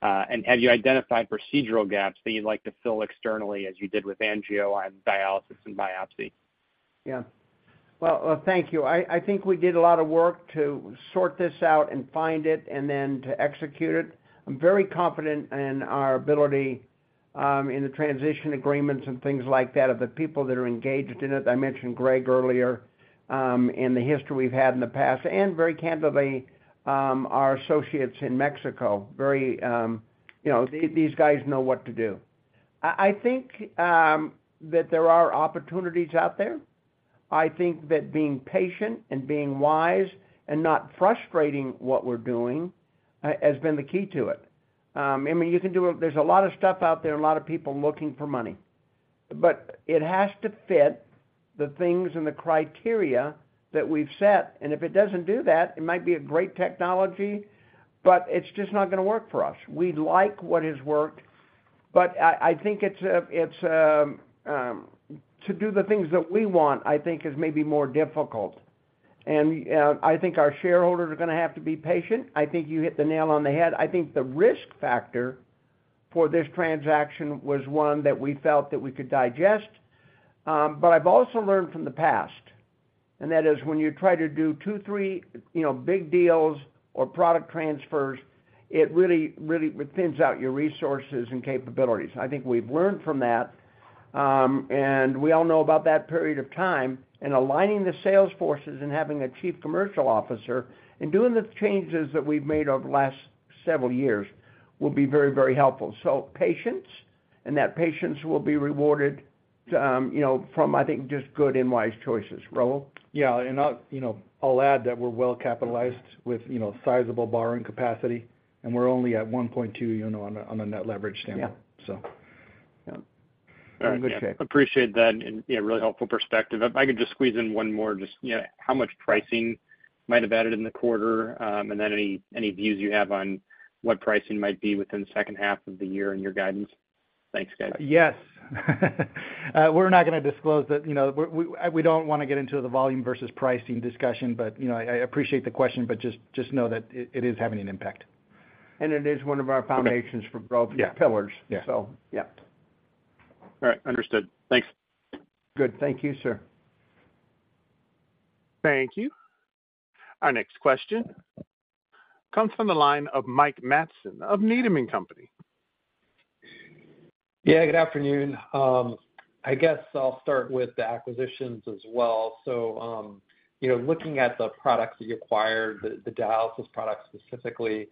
Have you identified procedural gaps that you'd like to fill externally, as you did with Angio on dialysis and biopsy? Yeah. Well, thank you. I think we did a lot of work to sort this out and find it, and then to execute it. I'm very confident in our ability, in the transition agreements and things like that, of the people that are engaged in it. I mentioned Greg earlier, and the history we've had in the past, and very candidly, our associates in Mexico, very, you know, these guys know what to do. I think that there are opportunities out there. I think that being patient and being wise and not frustrating what we're doing, has been the key to it. I mean, there's a lot of stuff out there, a lot of people looking for money, but it has to fit the things and the criteria that we've set. If it doesn't do that, it might be a great technology, but it's just not going to work for us. We like what has worked, but I think it's to do the things that we want, I think is maybe more difficult. I think our shareholders are going to have to be patient. I think you hit the nail on the head. I think the risk factor for this transaction was one that we felt that we could digest. I've also learned from the past, and that is when you try to do two, three, you know, big deals or product transfers, it really thins out your resources and capabilities. I think we've learned from that, and we all know about that period of time. Aligning the sales forces and having a chief commercial officer and doing the changes that we've made over the last several years will be very, very helpful. Patience, and that patience will be rewarded, you know, from, I think, just good and wise choices. Raul? I'll, you know, I'll add that we're well capitalized with, you know, sizable borrowing capacity, and we're only at 1.2, you know, on a, on a net leverage standpoint. Yeah. Yeah. All right. Appreciate that and, yeah, really helpful perspective. If I could just squeeze in one more, just, yeah, how much pricing might have added in the quarter, and then any views you have on what pricing might be within the H2 of the year and your guidance? Thanks, guys. Yes. We're not going to disclose that. You know, we don't want to get into the volume versus pricing discussion, but, you know, I appreciate the question, but just know that it is having an impact. it is one of our Foundations for Growth- Yeah. pillars. Yeah. Yeah. All right. Understood. Thanks. Good. Thank you, sir. Thank you. Our next question comes from the line of Mike Matson of Needham & Company. Yeah, good afternoon. I guess I'll start with the acquisitions as well. You know, looking at the products that you acquired, the dialysis products specifically, you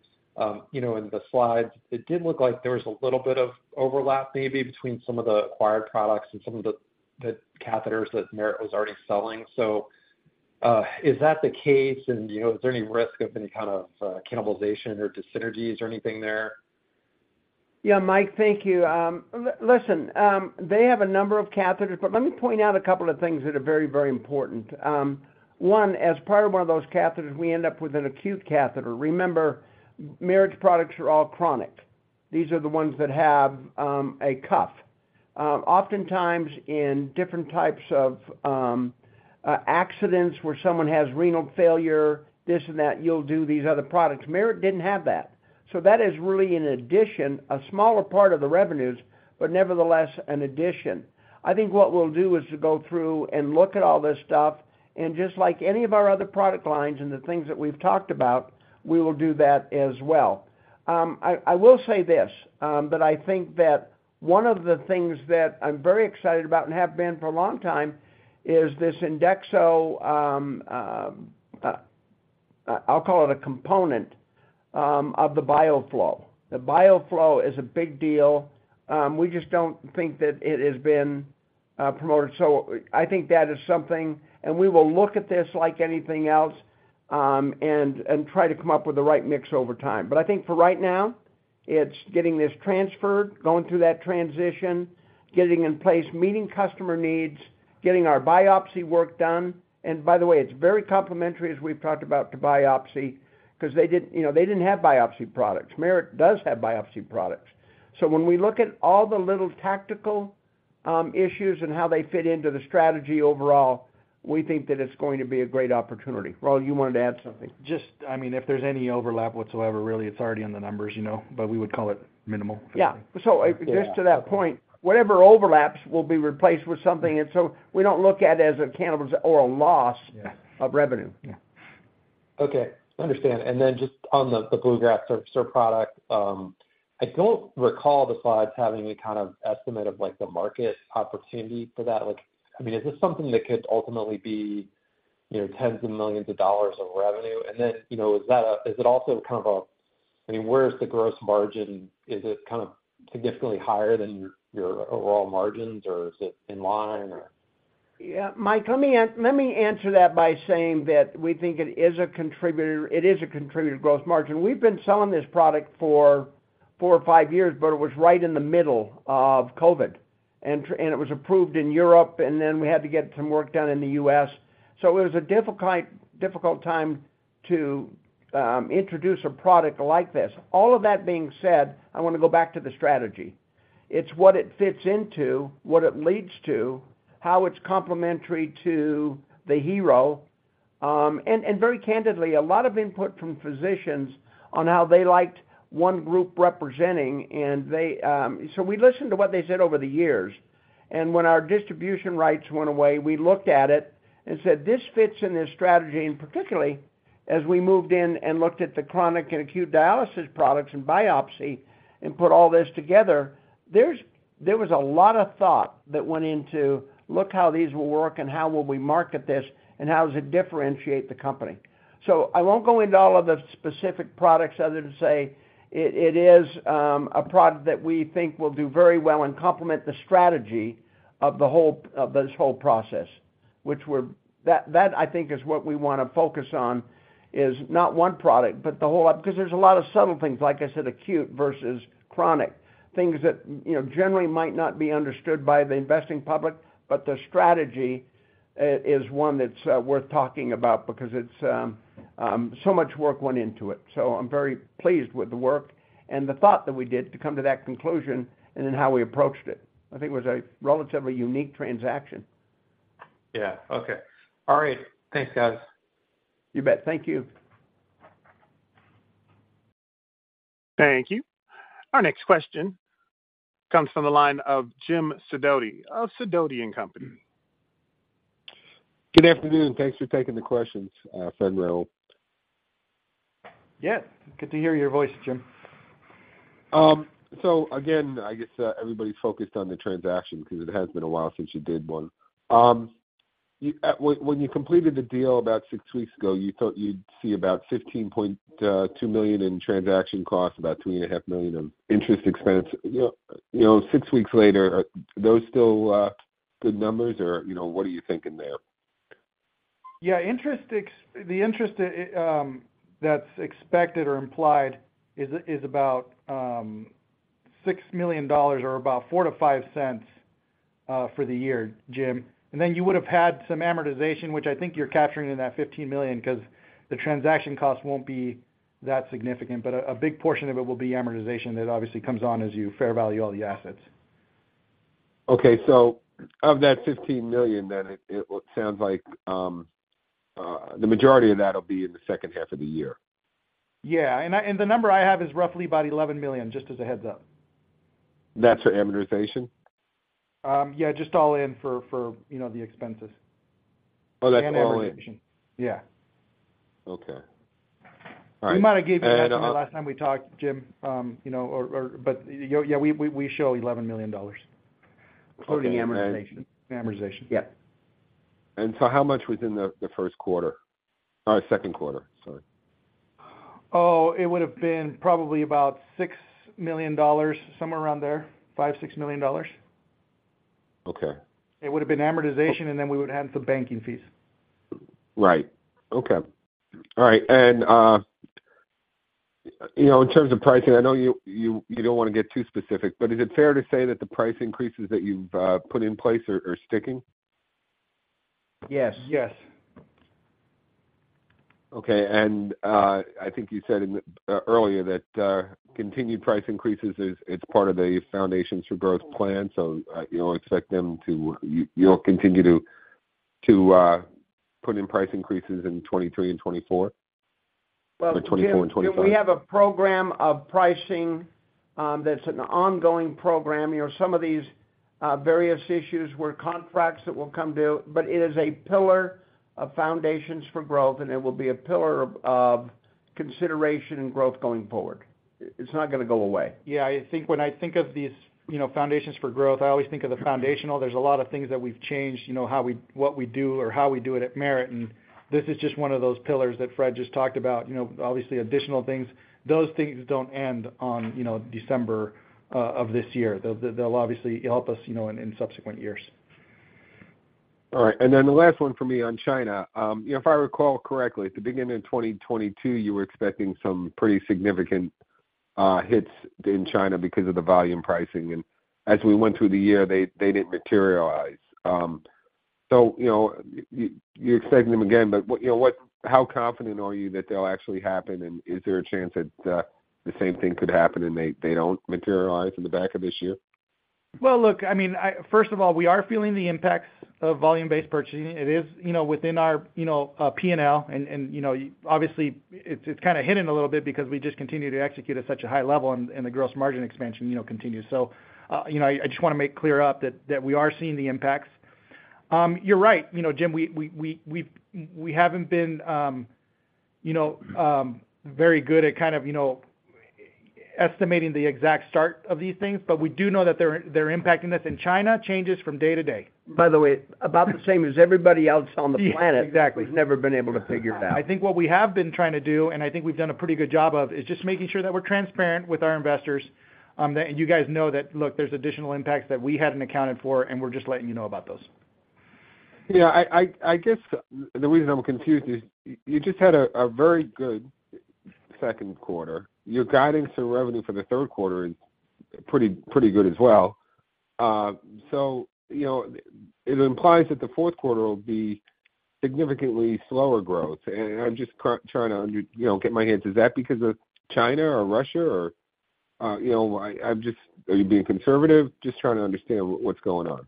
know, in the slides, it did look like there was a little bit of overlap maybe between some of the acquired products and some of the catheters that Merit was already selling. Is that the case? And, you know, is there any risk of any kind of cannibalization or dyssynergies or anything there? Yeah, Mike, thank you. listen, they have a number of catheters, let me point out a couple of things that are very, very important. One, as part of one of those catheters, we end up with an acute catheter. Remember, Merit's products are all chronic. These are the ones that have a cuff. Oftentimes in different types of accidents, where someone has renal failure, this and that, you'll do these other products. Merit didn't have that. That is really an addition, a smaller part of the revenues, but nevertheless, an addition. I think what we'll do is to go through and look at all this stuff, just like any of our other product lines and the things that we've talked about, we will do that as well. I will say this, but I think that one of the things that I'm very excited about, and have been for a long time, is this Endexo, I'll call it a component, of the BioFlo. The BioFlo is a big deal. We just don't think that it has been promoted. I think that is something, and we will look at this like anything else, and try to come up with the right mix over time. I think for right now, it's getting this transferred, going through that transition, getting in place, meeting customer needs, getting our biopsy work done. By the way, it's very complementary, as we've talked about to biopsy, 'cause they didn't, you know, they didn't have biopsy products. Merit does have biopsy products. When we look at all the little tactical issues and how they fit into the strategy overall, we think that it's going to be a great opportunity. Raul, you wanted to add something? Just, I mean, if there's any overlap whatsoever, really, it's already in the numbers, you know. We would call it minimal. Yeah. Just to that point, whatever overlaps will be replaced with something, and so we don't look at it as a cannibalism or a loss- Yeah of revenue. Yeah. Okay, understand. Just on the Bluegrass Surfacer product, I don't recall the slides having any kind of estimate of, like, the market opportunity for that. Like, I mean, is this something that could ultimately be, you know, tens of millions of dollars of revenue? You know, is it also kind of a, I mean, where's the gross margin? Is it kind of significantly higher than your overall margins, or is it in line, or? Yeah, Mike, let me answer that by saying that we think it is a contributor to gross margin. We've been selling this product for four or five years, but it was right in the middle of COVID. It was approved in Europe, and then we had to get some work done in the U.S. It was a difficult time to introduce a product like this. All of that being said, I wanna go back to the strategy. It's what it fits into, what it leads to, how it's complementary to the HeRO, and very candidly, a lot of input from physicians on how they liked one group representing, and they... We listened to what they said over the years, and when our distribution rights went away, we looked at it and said, "This fits in this strategy." Particularly, as we moved in and looked at the chronic and acute dialysis products and biopsy and put all this together, there was a lot of thought that went into, look how these will work and how will we market this, and how does it differentiate the company? I won't go into all of the specific products other than to say, it is a product that we think will do very well and complement the strategy of the whole, of this whole process, which I think, is what we wanna focus on, is not one product, but the whole because there's a lot of subtle things, like I said, acute versus chronic. Things that, you know, generally might not be understood by the investing public, but the strategy is one that's worth talking about because it's so much work went into it. I'm very pleased with the work and the thought that we did to come to that conclusion and in how we approached it. I think it was a relatively unique transaction. Yeah. Okay. All right. Thanks, guys. You bet. Thank you. Thank you. Our next question comes from the line of Jim Sidoti of Sidoti & Company. Good afternoon. Thanks for taking the questions, Fred and Raul. Yeah, good to hear your voice, Jim. Again, I guess, everybody's focused on the transaction because it has been a while since you did one. You, when you completed the deal about six weeks ago, you thought you'd see about $15.2 million in transaction costs, about $3.5 million in interest expense. You know, six weeks later, are those still good numbers, or, you know, what are you thinking there? Yeah, the interest that's expected or implied is about $6 million or about $0.04-$0.05 for the year, Jim. Then you would have had some amortization, which I think you're capturing in that $15 million, 'cause the transaction costs won't be that significant. A big portion of it will be amortization that obviously comes on as you fair value all the assets. Of that $15 million, it sounds like, the majority of that will be in the H2 of the year. Yeah, the number I have is roughly about $11 million, just as a heads up. That's for amortization? Yeah, just all in for, you know, the expenses. Oh, that's all in? Amortization. Yeah. Okay. All right. We might have gave you that number last time we talked, Jim, you know, or, yeah, we show $11 million. Okay. Including the amortization. Amortization, yep. How much was in the Q1? Q2, sorry. Oh, it would've been probably about $6 million, somewhere around there, $5 million-$6 million. Okay. It would have been amortization, and then we would add some banking fees. Right. Okay. All right, you know, in terms of pricing, I know you don't wanna get too specific, but is it fair to say that the price increases that you've put in place are sticking? Yes. Yes. I think you said in the earlier that continued price increases is, it's part of the Foundations for Growth plan, you'll continue to put in price increases in 2023 and 2024? Or 2024 and 2025. We have a program of pricing, that's an ongoing program. You know, some of these, various issues were contracts that will come to, but it is a pillar of Foundations for Growth, and it will be a pillar of consideration and growth going forward. It's not gonna go away. Yeah, I think when I think of these, you know, Foundations for Growth, I always think of the foundational. There's a lot of things that we've changed, you know, what we do or how we do it at Merit, and this is just one of those pillars that Fred just talked about. You know, obviously, additional things, those things don't end on, you know, December of this year. They'll obviously help us, you know, in subsequent years. All right, the last one for me on China. You know, if I recall correctly, at the beginning of 2022, you were expecting some pretty significant hits in China because of the volume pricing, and as we went through the year, they didn't materialize. You know, you're expecting them again, but what, you know, how confident are you that they'll actually happen? Is there a chance that the same thing could happen, and they don't materialize in the back of this year? Well, look, I mean, first of all, we are feeling the impacts of volume-based purchasing. It is, you know, within our, you know, P&L, and, you know, obviously, it's kind of hidden a little bit because we just continue to execute at such a high level, and the gross margin expansion, you know, continues. You know, I just want to make clear up that we are seeing the impacts. You're right. You know, Jim, we haven't been, you know, very good at kind of, you know, estimating the exact start of these things, but we do know that they're impacting us. China changes from day to day. By the way, about the same as everybody else on the planet. Yeah. Exactly. We've never been able to figure it out. I think what we have been trying to do, and I think we've done a pretty good job of, is just making sure that we're transparent with our investors, that and you guys know that, look, there's additional impacts that we hadn't accounted for, and we're just letting you know about those. Yeah, I guess the reason I'm confused is, you just had a very good Q2. You're guiding some revenue for the Q3, and pretty good as well. You know, it implies that the Q4 will be significantly slower growth, and I'm just trying to, you know, get my hands... Is that because of China or Russia, or, you know, I'm just... Are you being conservative? Just trying to understand what's going on.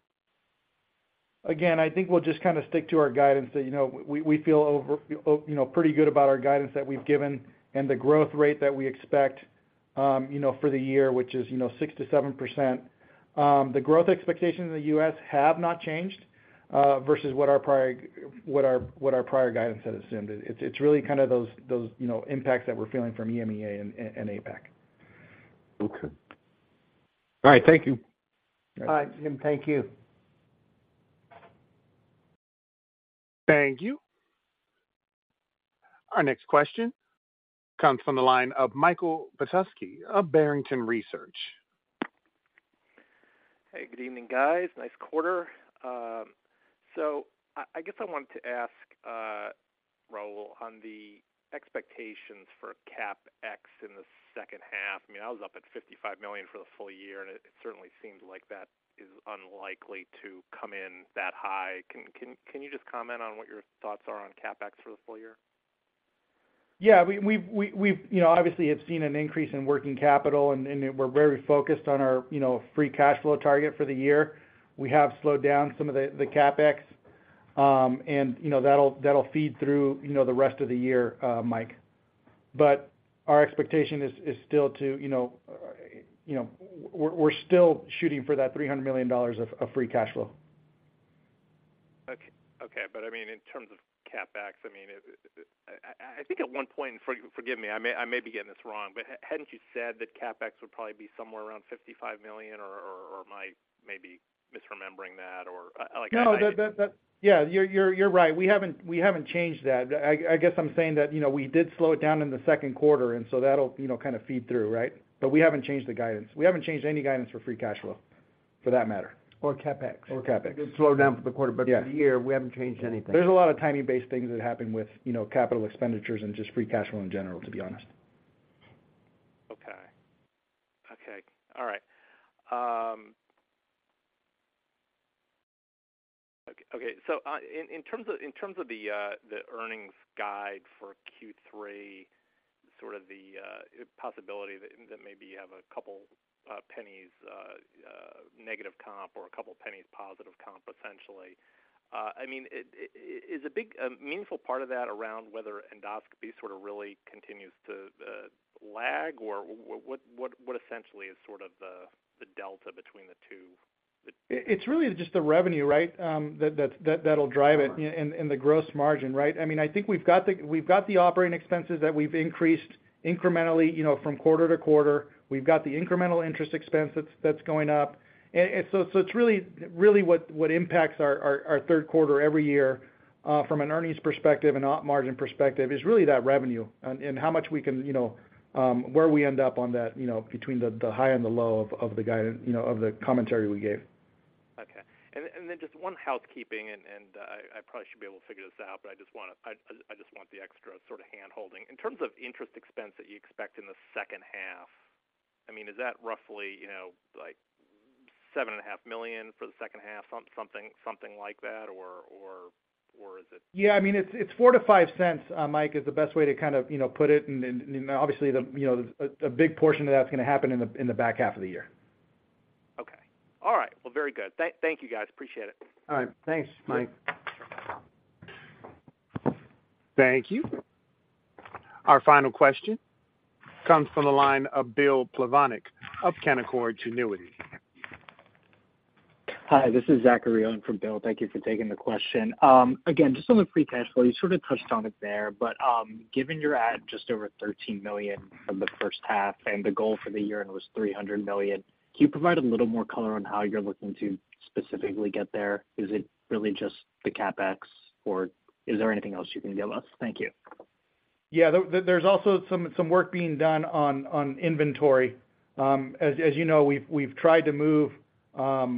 Again, I think we'll just kind of stick to our guidance that, you know, we feel over, you know, pretty good about our guidance that we've given and the growth rate that we expect, you know, for the year, which is, you know, 6%-7%. The growth expectations in the U.S. have not changed versus what our prior guidance had assumed. It's really kind of those, you know, impacts that we're feeling from EMEA and APAC. Okay. All right. Thank you. All right, Jim, thank you. Thank you. Our next question comes from the line of Michael Petusky of Barrington Research. Hey, good evening, guys. Nice quarter. I guess I wanted to ask Raul, on the expectations for CapEx in the H2. I mean, that was up at $55 million for the full year, and it certainly seems like that is unlikely to come in that high. Can you just comment on what your thoughts are on CapEx for the full year? Yeah, we've, you know, obviously have seen an increase in working capital, and we're very focused on our, you know, free cash flow target for the year. We have slowed down some of the CapEx, and, you know, that'll feed through, you know, the rest of the year, Mike. Our expectation is still to, you know, you know, we're still shooting for that $300 million of free cash flow. Okay, I mean, in terms of CapEx, I mean, it, I think at one point, forgive me, I may, I may be getting this wrong, but hadn't you said that CapEx would probably be somewhere around $55 million, or am I maybe misremembering that, or, like, I? No, you're right. We haven't changed that. I guess I'm saying that, you know, we did slow it down in the Q2, and so that'll, you know, kind of feed through, right? We haven't changed the guidance. We haven't changed any guidance for free cash flow, for that matter. CapEx. CapEx. It slowed down for the quarter. Yeah For the year, we haven't changed anything. There's a lot of timing-based things that happen with, you know, capital expenditures and just free cash flow in general, to be honest. Okay. Okay. All right. So, in terms of the earnings guide for Q3, sort of the possibility that maybe you have a couple pennies negative comp or a couple pennies positive comp, essentially. I mean, it is a big, meaningful part of that around whether endoscopy sort of really continues to lag, or what essentially is sort of the delta between the two? It's really just the revenue, right, that'll drive it. Sure The gross margin, right? I mean, I think we've got the operating expenses that we've increased incrementally, you know, from quarter to quarter. We've got the incremental interest expense that's going up. It's really what impacts our Q3 every year from an earnings perspective and Op margin perspective, is really that revenue and how much we can, you know, where we end up on that, you know, between the high and the low of the guidance, you know, of the commentary we gave. Okay. Just one housekeeping, I probably should be able to figure this out, but I just want the extra sort of handholding. In terms of interest expense that you expect in the H2, I mean, is that roughly, you know, like seven and a half million for the H2, something like that, or is it-? I mean, it's $0.04-$0.05, Mike, is the best way to kind of, you know, put it. Obviously, you know, a big portion of that's gonna happen in the back half of the year. Okay. All right. Well, very good. Thank you, guys. Appreciate it. All right. Thanks, Mike. Thank you. Our final question comes from the line of Bill Plovanic of Canaccord Genuity. Hi, this is Zachary in for Bill. Thank you for taking the question. Again, just on the free cash flow, you sort of touched on it there, but given you're at just over $13 million from the H1 and the goal for the year was $300 million, can you provide a little more color on how you're looking to specifically get there? Is it really just the CapEx, or is there anything else you can give us? Thank you. Yeah, there's also some work being done on inventory. As you know, we've tried to move, Well,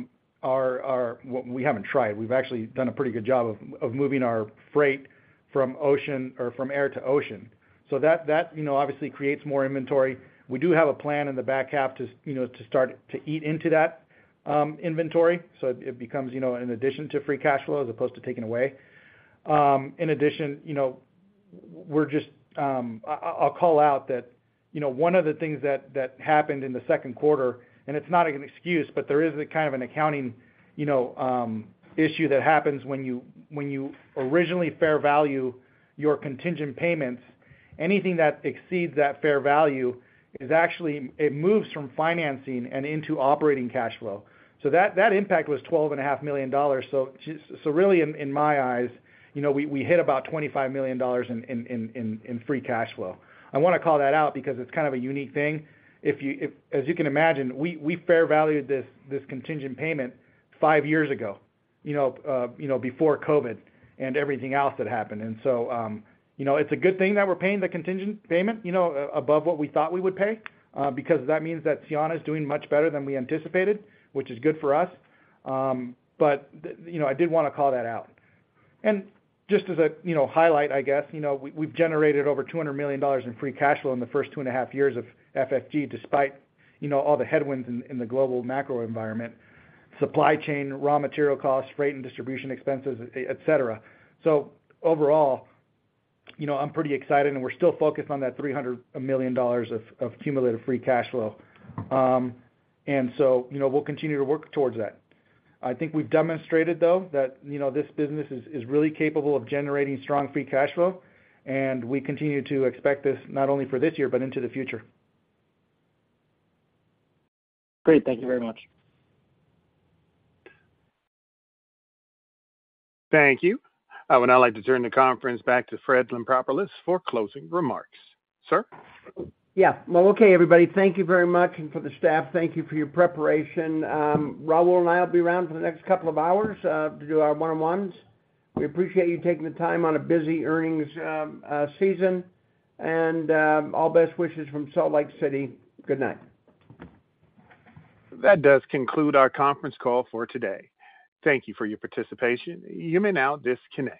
we haven't tried. We've actually done a pretty good job of moving our freight from ocean or from air to ocean. That, you know, obviously creates more inventory. We do have a plan in the back half to, you know, to start to eat into that inventory, so it becomes, you know, an addition to free cash flow as opposed to taking away. In addition, you know, we're just... I'll call out that, you know, one of the things that happened in the Q2, and it's not an excuse, but there is a kind of an accounting, you know, issue that happens when you originally fair value your contingent payments. Anything that exceeds that fair value is actually, it moves from financing and into operating cash flow. That impact was $12.5 million. Really, in my eyes, you know, we hit about $25 million in free cash flow. I wanna call that out because it's kind of a unique thing. As you can imagine, we fair valued this contingent payment 5 years ago, you know, you know, before COVID and everything else that happened. You know, it's a good thing that we're paying the contingent payment, you know, above what we thought we would pay, because that means that Cianna is doing much better than we anticipated, which is good for us. You know, I did wanna call that out. Just as a, you know, highlight, I guess, you know, we've generated over $200 million in free cash flow in the first 2 and a half years of FFG, despite, you know, all the headwinds in the global macro environment, supply chain, raw material costs, freight and distribution expenses, et cetera. Overall, you know, I'm pretty excited, and we're still focused on that $300 million of cumulative free cash flow. So, you know, we'll continue to work towards that. I think we've demonstrated, though, that, you know, this business is really capable of generating strong free cash flow, and we continue to expect this not only for this year but into the future. Great. Thank you very much. Thank you. I would now like to turn the conference back to Fred Lampropoulos for closing remarks. Sir? Yeah. Well, okay, everybody, thank you very much. For the staff, thank you for your preparation. Raul and I will be around for the next couple of hours to do our one-on-ones. We appreciate you taking the time on a busy earnings season. All best wishes from Salt Lake City. Good night. That does conclude our Conference Call for today. Thank Thank you for your participation. You may now disconnect.